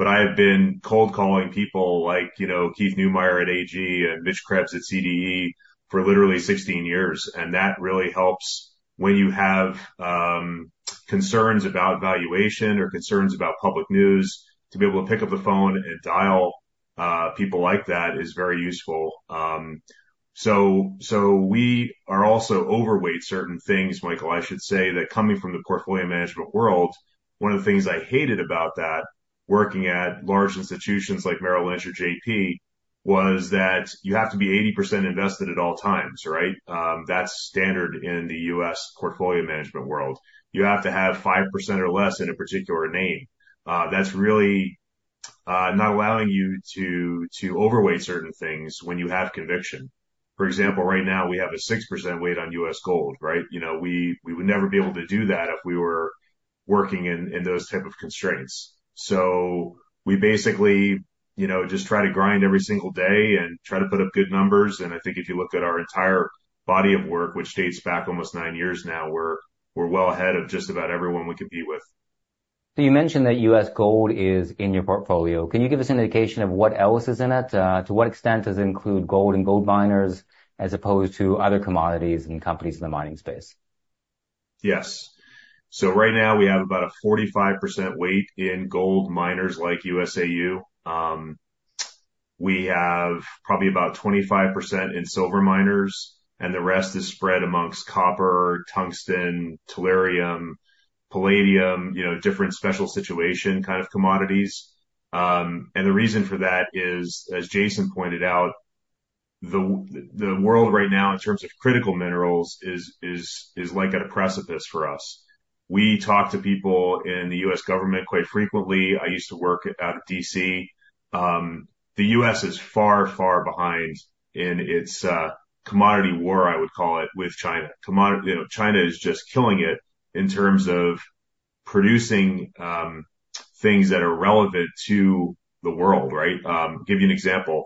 Speaker 3: I have been cold calling people like, you know, Keith Neumeyer at AG and Mitch Krebs at CDE for literally 16 years, and that really helps when you have concerns about valuation or concerns about public news. To be able to pick up the phone and dial people like that is very useful. We are also overweight certain things, Michael, I should say that coming from the portfolio management world, one of the things I hated about that, working at large institutions like Merrill Lynch or JPMorgan, was that you have to be 80% invested at all times, right? That's standard in the U.S. portfolio management world. You have to have 5% or less in a particular name. That's really not allowing you to overweight certain things when you have conviction. For example, right now we have a 6% weight on U.S. GOLD, right? You know, we would never be able to do that if we were working in those type of constraints. We basically, you know, just try to grind every single day and try to put up good numbers. I think if you look at our entire body of work, which dates back almost nine years now, we're, we're well ahead of just about everyone we compete with.
Speaker 1: You mentioned that U.S. GOLD is in your portfolio. Can you give us an indication of what else is in it? To what extent does it include gold and gold miners as opposed to other commodities and companies in the mining space?
Speaker 3: Yes. Right now we have about a 45% weight in gold miners like USAU. We have probably about 25% in silver miners, and the rest is spread amongst copper, tungsten, tellurium, palladium, you know, different special situation kind of commodities. And the reason for that is, as Jason pointed out, the world right now, in terms of critical minerals, is like at a precipice for us. We talk to people in the U.S. government quite frequently. I used to work out of D.C. The U.S. is far, far behind in its commodity war, I would call it, with China. Commodity, you know, China is just killing it in terms of producing things that are relevant to the world, right? Give you an example.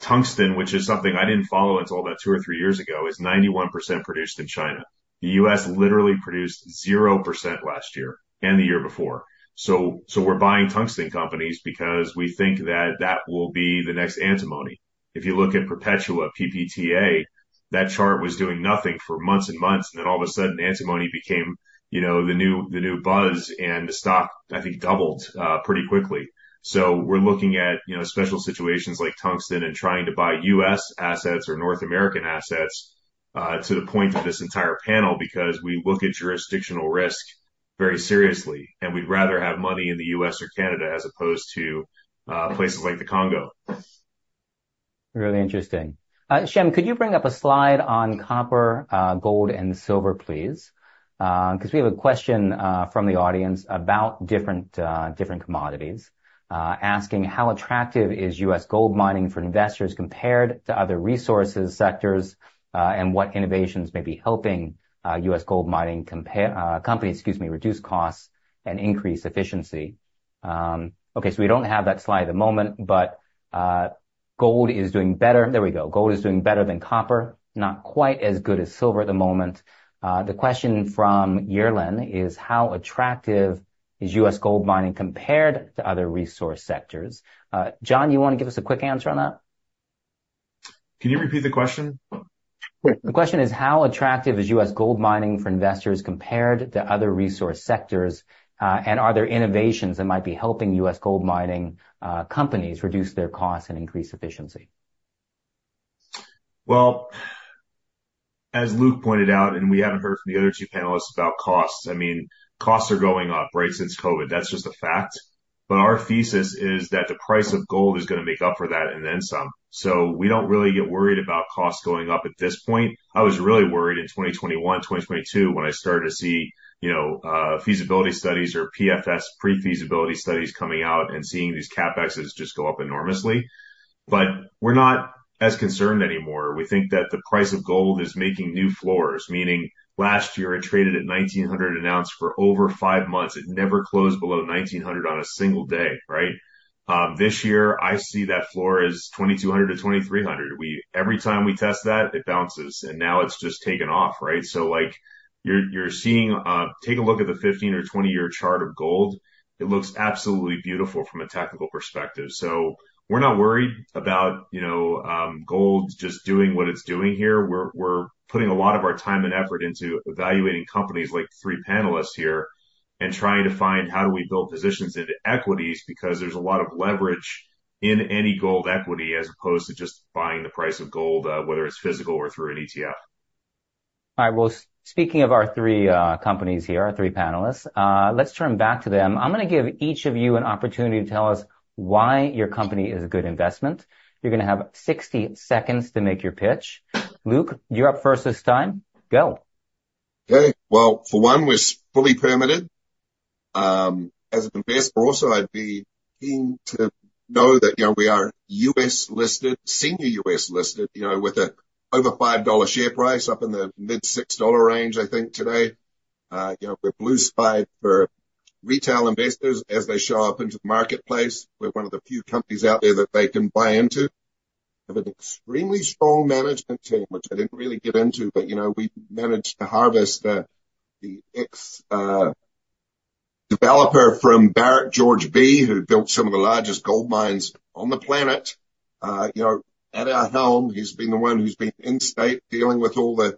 Speaker 3: Tungsten, which is something I didn't follow until about two or three years ago, is 91% produced in China. The U.S. literally produced 0% last year and the year before. So we're buying tungsten companies because we think that that will be the next antimony. If you look at Perpetua, PPTA, that chart was doing nothing for months and months, and then all of a sudden, antimony became, you know, the new, the new buzz, and the stock, I think, doubled pretty quickly. We're looking at, you know, special situations like tungsten and trying to buy U.S. assets or North American assets, to the point of this entire panel, because we look at jurisdictional risk very seriously, and we'd rather have money in the U.S. or Canada as opposed to places like the Congo.
Speaker 1: Really interesting. Shem, could you bring up a slide on copper, gold, and silver, please? 'cause we have a question from the audience about different, different commodities, asking: How attractive is U.S. gold mining for investors compared to other resources sectors, and what innovations may be helping U.S. gold mining compare, companies, excuse me, reduce costs and increase efficiency? Okay, we don't have that slide at the moment, but gold is doing better. There we go. Gold is doing better than copper, not quite as good as silver at the moment. The question from Yuerlan is: How attractive is U.S. gold mining compared to other resource sectors? John, you want to give us a quick answer on that?
Speaker 3: Can you repeat the question?
Speaker 1: Sure. The question is: How attractive is U.S. gold mining for investors compared to other resource sectors? Are there innovations that might be helping U.S. gold mining companies reduce their costs and increase efficiency?
Speaker 3: Well, as Luke pointed out, we haven't heard from the other two panelists about costs. I mean, costs are going up, right, since COVID. That's just a fact. Our thesis is that the price of gold is gonna make up for that, and then some. We don't really get worried about costs going up at this point. I was really worried in 2021, 2022, when I started to see, you know, feasibility studies or PFS, pre-feasibility studies, coming out and seeing these CapExes just go up enormously. We're not as concerned anymore. We think that the price of gold is making new floors, meaning last year, it traded at $1,900 an ounce for over five months. It never closed below $1,900 on a single day, right? This year, I see that floor as $2,200-$2,300. We Every time we test that, it bounces, and now it's just taken off, right? Like, you're, you're seeing Take a look at the 15 or 20-year chart of gold. It looks absolutely beautiful from a technical perspective. We're not worried about, you know, gold just doing what it's doing here. We're, we're putting a lot of our time and effort into evaluating companies like the three panelists here and trying to find how do we build positions into equities, because there's a lot of leverage in any gold equity, as opposed to just buying the price of gold, whether it's physical or through an ETF.
Speaker 1: All right. Well, speaking of our three companies here, our three panelists, let's turn back to them. I'm gonna give each of you an opportunity to tell us why your company is a good investment. You're gonna have 60 seconds to make your pitch. Luke, you're up first this time. Go.
Speaker 2: Okay. Well, for one, we're fully permitted. As an investor also, I'd be keen to know that, you know, we are U.S.-listed, senior U.S.-listed, you know, with an over $5 share price, up in the mid-$6 range, I think today. You know, we're blue-sky for retail investors as they show up into the marketplace. We're one of the few companies out there that they can buy into. Have an extremely strong management team, which I didn't really get into, but, you know, we managed to harvest the ex-developer from Barrick, George Bee, who built some of the largest gold mines on the planet. You know, at our helm, he's been the one who's been in state, dealing with all the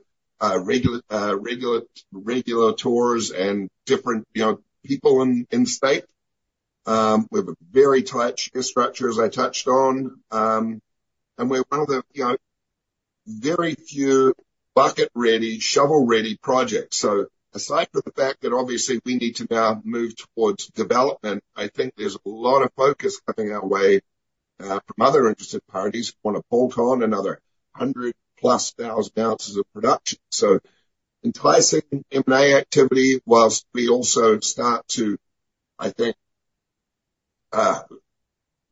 Speaker 2: regulators and different, you know, people in state. We have a very tight share structure, as I touched on. We're one of the, you know, very few bucket-ready, shovel-ready projects. Aside from the fact that obviously we need to now move towards development, I think there's a lot of focus coming our way, from other interested parties who want to bolt on another 100,000+ oz of production. Enticing M&A activity, whilst we also start to, I think,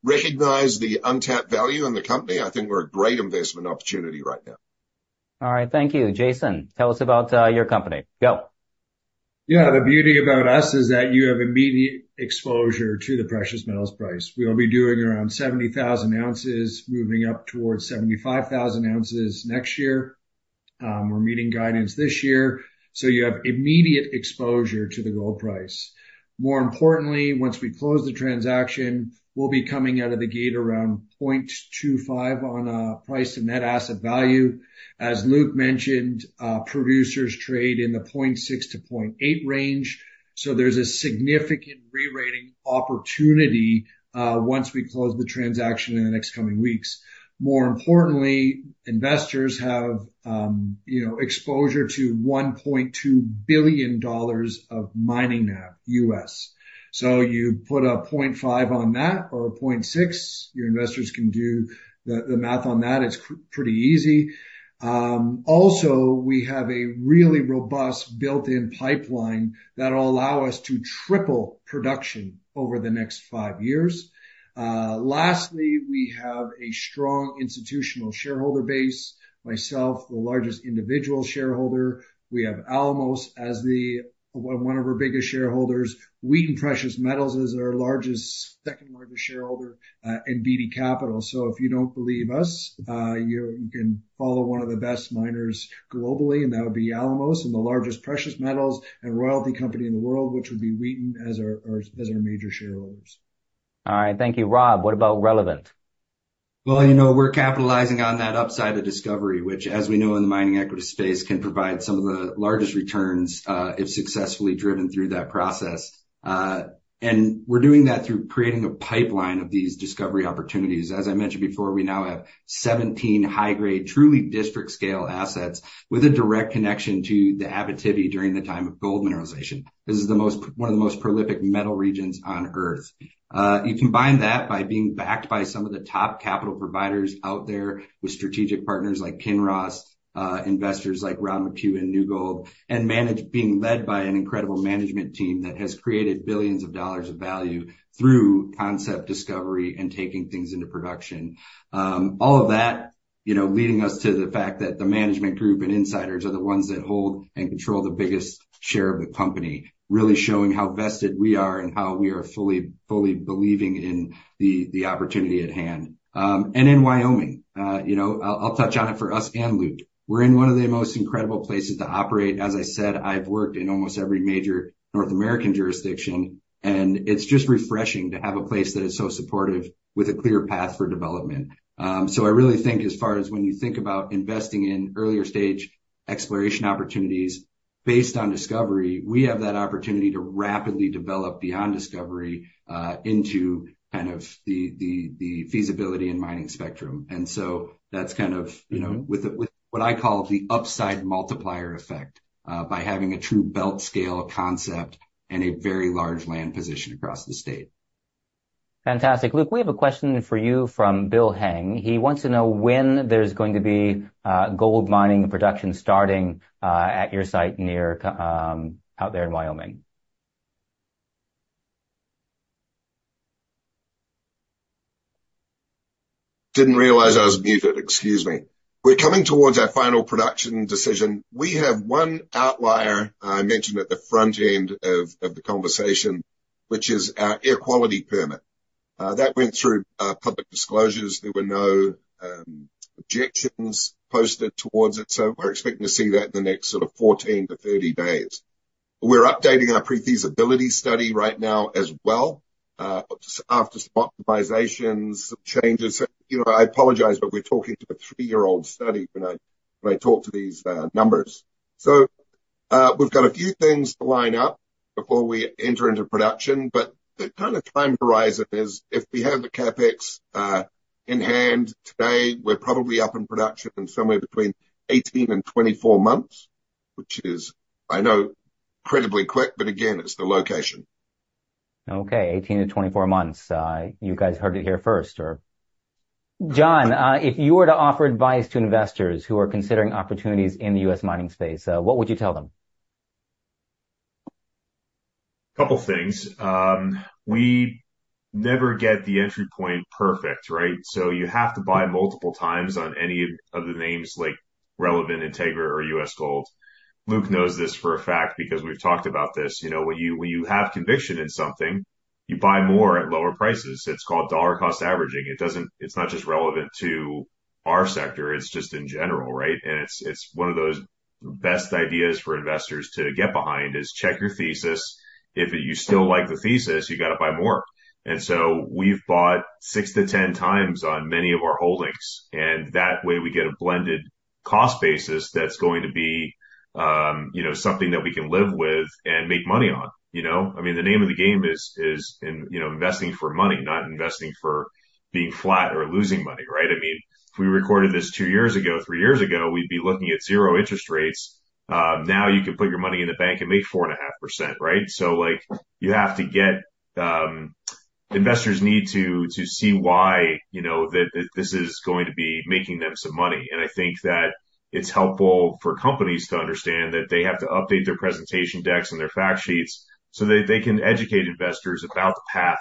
Speaker 2: recognize the untapped value in the company, I think we're a great investment opportunity right now.
Speaker 1: All right. Thank you. Jason, tell us about your company. Go.
Speaker 5: Yeah. The beauty about us is that you have immediate exposure to the precious metals price. We'll be doing around 70,000 oz, moving up towards 75,000 oz next year. We're meeting guidance this year, so you have immediate exposure to the gold price. More importantly, once we close the transaction, we'll be coming out of the gate around 0.25 on price and net asset value. As Luke mentioned, producers trade in the 0.6-0.8 range, so there's a significant re-rating opportunity once we close the transaction in the next coming weeks. More importantly, investors have, you know, exposure to $1.2 billion of mining now, U.S. You put a 0.5 on that or a 0.6, your investors can do the math on that. It's pretty easy. Also, we have a really robust built-in pipeline that will allow us to triple production over the next five years. Lastly, we have a strong institutional shareholder base. Myself, the largest individual shareholder. We have Alamos as one of our biggest shareholders. Wheaton Precious Metals is our largest, second largest shareholder, and Beedie Capital. If you don't believe us, you can follow one of the best miners globally, and that would be Alamos, and the largest precious metals and royalty company in the world, which would be Wheaton, as our major shareholders.
Speaker 1: All right, thank you. Rob, what about Relevant?
Speaker 4: Well, you know, we're capitalizing on that upside of discovery, which, as we know, in the mining equity space, can provide some of the largest returns if successfully driven through that process. We're doing that through creating a pipeline of these discovery opportunities. As I mentioned before, we now have 17 high-grade, truly district-scale assets with a direct connection to the Abitibi during the time of gold mineralization. This is one of the most prolific metal regions on Earth. You combine that by being backed by some of the top capital providers out there with strategic partners like Kinross, investors like Rob McEwen and New Gold, being led by an incredible management team that has created billions of dollars of value through concept discovery and taking things into production. All of that, you know, leading us to the fact that the management group and insiders are the ones that hold and control the biggest share of the company, really showing how vested we are and how we are fully, fully believing in the, the opportunity at hand. In Wyoming, you know, I'll, I'll touch on it for us and Luke. We're in one of the most incredible places to operate. As I said, I've worked in almost every major North American jurisdiction, and it's just refreshing to have a place that is so supportive with a clear path for development. I really think as far as when you think about investing in earlier stage exploration opportunities based on discovery, we have that opportunity to rapidly develop beyond discovery, into kind of the, the, the feasibility and mining spectrum. That's kind of, you know, with the, with what I call the upside multiplier effect, by having a true belt scale concept and a very large land position across the state.
Speaker 1: Fantastic! Luke, we have a question for you from Bill Hang. He wants to know when there's going to be gold mining production starting at your site near out there in Wyoming.
Speaker 2: Didn't realize I was muted. Excuse me. We're coming towards our final production decision. We have one outlier, I mentioned at the front end of, of the conversation, which is our Air Quality Permit. That went through public disclosures. There were no objections posted towards it, so we're expecting to see that in the next sort of 14-30 days. We're Pre-Feasibility Study right now as well, after some optimizations, some changes. You know, I apologize, but we're talking to a three-year-old study when I, when I talk to these numbers. We've got a few things to line up before we enter into production, but the kind of time horizon is if we have the CapEx in hand today, we're probably up in production somewhere between 18 and 24 months, which is, I know, incredibly quick, but again, it's the location.
Speaker 1: Okay, 18-24 months. You guys heard it here first or... John, if you were to offer advice to investors who are considering opportunities in the U.S. mining space, what would you tell them?
Speaker 3: A couple of things. We never get the entry point perfect, right? You have to buy multiple times on any of the names like Relevant, Integra, or U.S. GOLD. Luke knows this for a fact because we've talked about this. You know, when you have conviction in something, you buy more at lower prices. It's called dollar cost averaging. It's not just relevant to our sector, it's just in general, right? It's one of those best ideas for investors to get behind, is check your thesis. If you still like the thesis, you got to buy more. We've bought 6x-10 times on many of our holdings, and that way we get a blended cost basis that's going to be, you know, something that we can live with and make money on, you know? I mean, the name of the game is, is in, you know, investing for money, not investing for being flat or losing money, right? I mean, if we recorded this two years ago, three years ago, we'd be looking at 0 interest rates. now you can put your money in the bank and make 4.5%, right? Like, you have to get, investors need to, to see why, you know, that, that this is going to be making them some money. I think that it's helpful for companies to understand that they have to update their presentation decks and their fact sheets so that they can educate investors about the path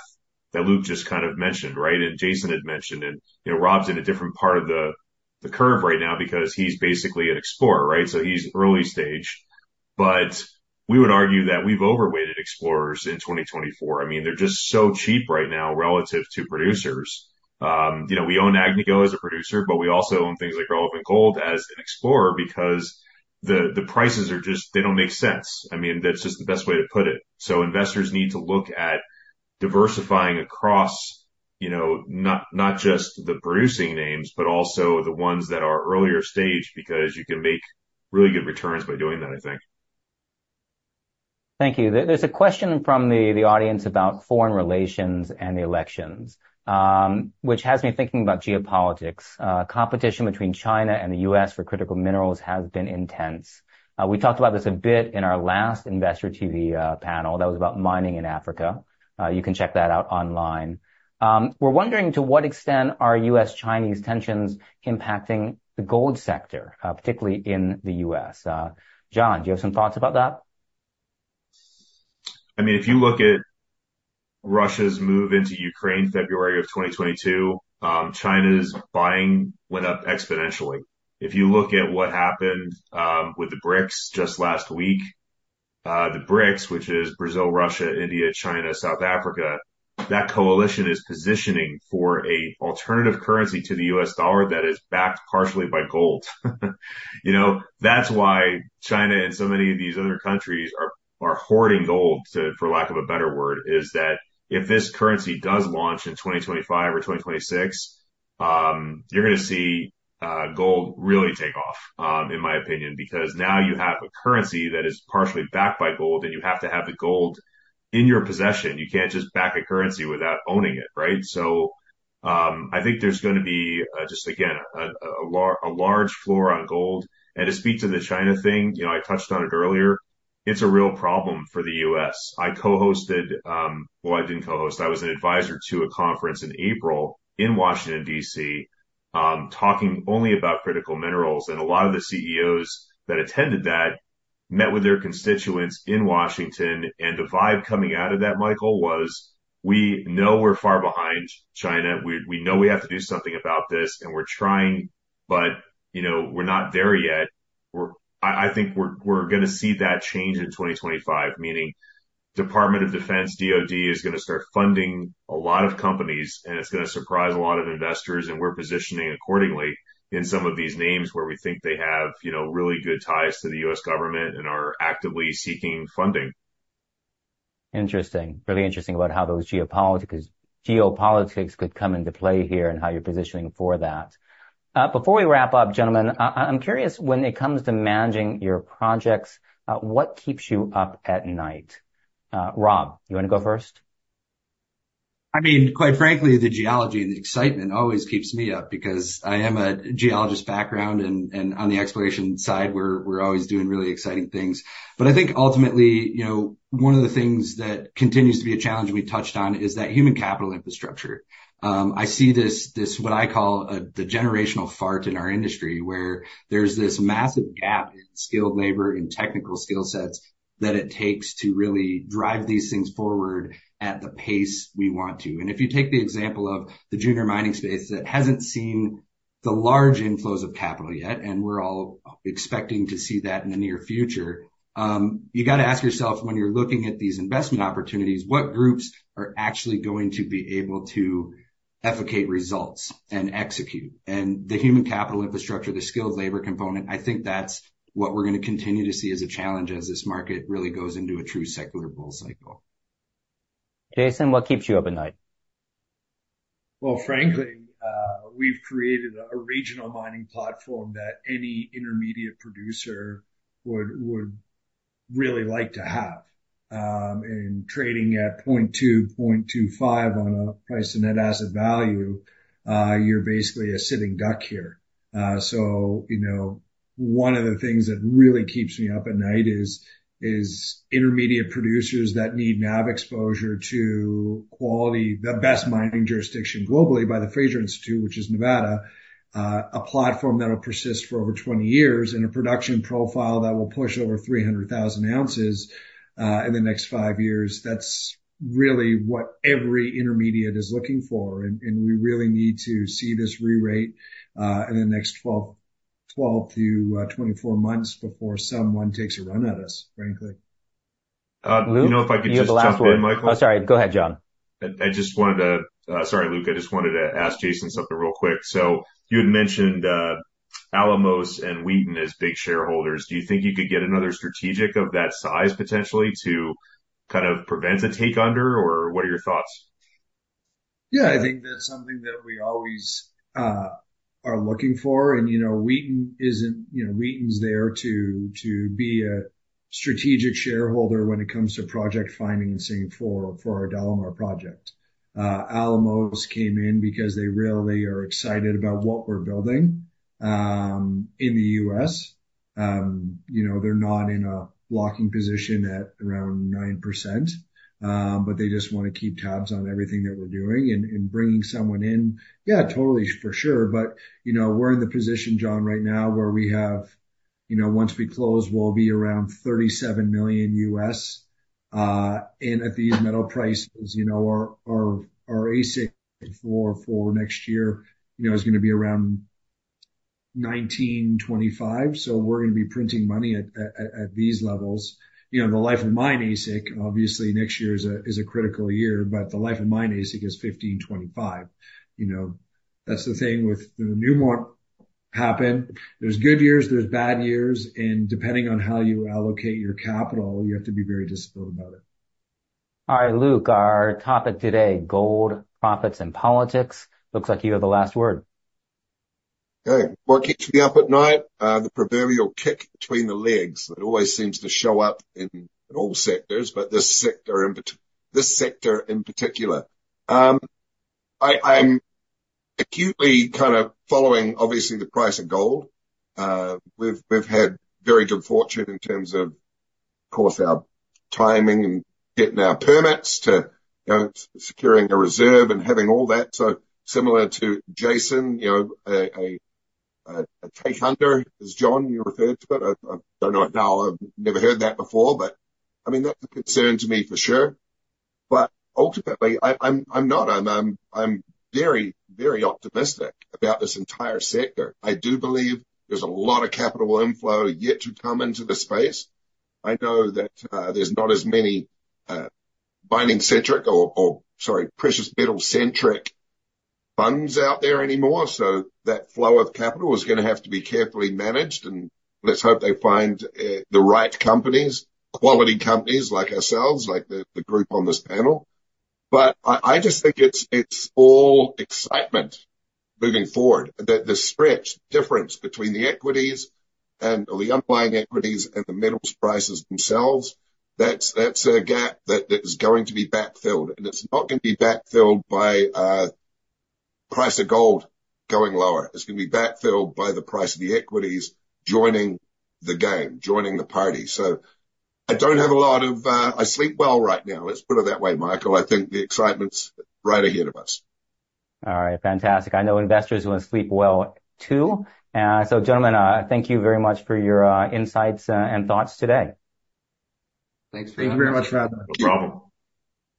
Speaker 3: that Luke just kind of mentioned, right? Jason had mentioned it. You know, Rob's in a different part of the, the curve right now because he's basically an explorer, right? He's early stage. We would argue that we've overweighted explorers in 2024. I mean, they're just so cheap right now relative to producers. You know, we own Agnico as a producer, but we also own things like Relevant Gold as an explorer because the, the prices are just, they don't make sense. I mean, that's just the best way to put it. Investors need to look at diversifying across, you know, not, not just the producing names, but also the ones that are earlier stage, because you can make really good returns by doing that, I think.
Speaker 1: Thank you. There, there's a question from the, the audience about foreign relations and the elections, which has me thinking about geopolitics. Competition between China and the U.S. for critical minerals has been intense. We talked about this a bit in our last investorTV panel. That was about mining in Africa. You can check that out online. We're wondering, to what extent are U.S.-Chinese tensions impacting the gold sector, particularly in the U.S.? John, do you have some thoughts about that?
Speaker 3: I mean, if you look at Russia's move into Ukraine, February of 2022, China's buying went up exponentially. If you look at what happened with the BRICS just last week, the BRICS, which is Brazil, Russia, India, China, South Africa, that coalition is positioning for an alternative currency to the U.S. dollar that is backed partially by gold. You know, that's why China and so many of these other countries are, are hoarding gold to, for lack of a better word, is that if this currency does launch in 2025 or 2026. You're gonna see gold really take off in my opinion, because now you have a currency that is partially backed by gold, and you have to have the gold in your possession. You can't just back a currency without owning it, right? I think there's gonna be just again, a large floor on gold. To speak to the China thing, you know, I touched on it earlier, it's a real problem for the U.S. I co-hosted-- well, I didn't co-host, I was an advisor to a conference in April in Washington, D.C., talking only about critical minerals. A lot of the CEOs that attended that met with their constituents in Washington, and the vibe coming out of that, Michael, was: "We know we're far behind China. We, we know we have to do something about this, and we're trying, but, you know, we're not there yet." I think we're, we're gonna see that change in 2025, meaning Department of Defense, DoD, is gonna start funding a lot of companies, and it's gonna surprise a lot of investors, and we're positioning accordingly in some of these names where we think they have, you know, really good ties to the U.S. Government and are actively seeking funding.
Speaker 1: Interesting. Really interesting about how those geopolitics could come into play here and how you're positioning for that. Before we wrap up, gentlemen, I'm curious, when it comes to managing your projects, what keeps you up at night? Rob, you want to go first?
Speaker 4: I mean, quite frankly, the geology and the excitement always keeps me up because I am a geologist background, and, and on the exploration side, we're, we're always doing really exciting things. I think ultimately, you know, one of the things that continues to be a challenge, and we touched on, is that human capital infrastructure. I see this, this, what I call, the generational fart in our industry, where there's this massive gap in skilled labor and technical skill sets that it takes to really drive these things forward at the pace we want to. If you take the example of the junior mining space that hasn't seen the large inflows of capital yet, and we're all expecting to see that in the near future, you got to ask yourself, when you're looking at these investment opportunities, what groups are actually going to be able to effectuate results and execute? The human capital infrastructure, the skilled labor component, I think that's what we're gonna continue to see as a challenge as this market really goes into a true secular bull cycle.
Speaker 1: Jason, what keeps you up at night?
Speaker 5: Well, frankly, we've created a regional mining platform that any intermediate producer would, would really like to have. Trading at 0.2, 0.25 on a price and net asset value, you're basically a sitting duck here. You know, one of the things that really keeps me up at night is, is intermediate producers that need NAV exposure to quality, the best mining jurisdiction globally by the Fraser Institute, which is Nevada. A platform that will persist for over 20 years and a production profile that will push over 300,000 oz in the next five years. That's really what every intermediate is looking for, and, and we really need to see this re-rate in the next 12-24 months before someone takes a run at us, frankly.
Speaker 3: You know, if I could just jump in, Michael?
Speaker 1: Oh, sorry. Go ahead, John.
Speaker 3: Sorry, Luke. I just wanted to ask Jason something real quick. You had mentioned Alamos and Wheaton as big shareholders. Do you think you could get another strategic of that size, potentially, to kind of prevent a take under, or what are your thoughts?
Speaker 5: Yeah, I think that's something that we always are looking for. You know, Wheaton Precious Metals isn't... You know, Wheaton Precious Metals there to be a strategic shareholder when it comes to project financing for our DeLamar Project. Alamos Gold came in because they really are excited about what we're building in the U.S. You know, they're not in a blocking position at around 9%, they just wanna keep tabs on everything that we're doing and bringing someone in, yeah, totally for sure. You know, we're in the position, John Feneck, right now, where we have, you know, once we close, we'll be around $37 million, and at these metal prices, you know, our AISC for next year, you know, is gonna be around $1,925, we're gonna be printing money at these levels. You know, the life of mine AISC, obviously, next year is a critical year, but the life of mine AISC is $1,525. You know, that's the thing with the new more happen. There's good years, there's bad years, and depending on how you allocate your capital, you have to be very disciplined about it.
Speaker 1: All right, Luke, our topic today, gold, profits, and politics. Looks like you have the last word.
Speaker 2: Okay. What keeps me up at night? The proverbial kick between the legs that always seems to show up in all sectors, but this sector in particular. I'm acutely kind of following, obviously, the price of gold. We've had very good fortune in terms of, of course, our timing and getting our permits to securing a reserve and having all that. Similar to Jason, you know, a take under, as John, you referred to it, I don't know. I've never heard that before, but I mean, that's a concern to me for sure. Ultimately, I'm not, and I'm very, very optimistic about this entire sector. I do believe there's a lot of capital inflow yet to come into the space. I know that there's not as many mining-centric or, or, sorry, precious metal-centric funds out there anymore, so that flow of capital is gonna have to be carefully managed. Let's hope they find the right companies, quality companies like ourselves, like the group on this panel. I, I just think it's, it's all excitement moving forward, that the spread, the difference between the equities and the underlying equities and the metals prices themselves, that's, that's a gap that, that is going to be backfilled, and it's not going to be backfilled by price of gold going lower. It's gonna be backfilled by the price of the equities joining the game, joining the party. I don't have a lot of. I sleep well right now. Let's put it that way, Michael. I think the excitement's right ahead of us.
Speaker 1: All right. Fantastic. I know investors want to sleep well, too. Gentlemen, thank you very much for your insights and thoughts today.
Speaker 5: Thanks very much. Thank you very much, Rob.
Speaker 3: No problem.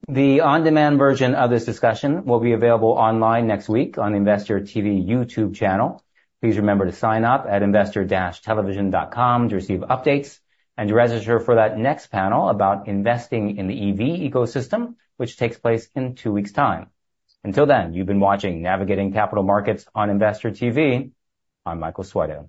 Speaker 1: The on-demand version of this discussion will be available online next week on Investor TV YouTube channel. Please remember to sign up at investor-television.com to receive updates and to register for that next panel about investing in the EV ecosystem, which takes place in two weeks time. Until then, you've been watching navigating capital markets on investorTV. I'm Michael Switow.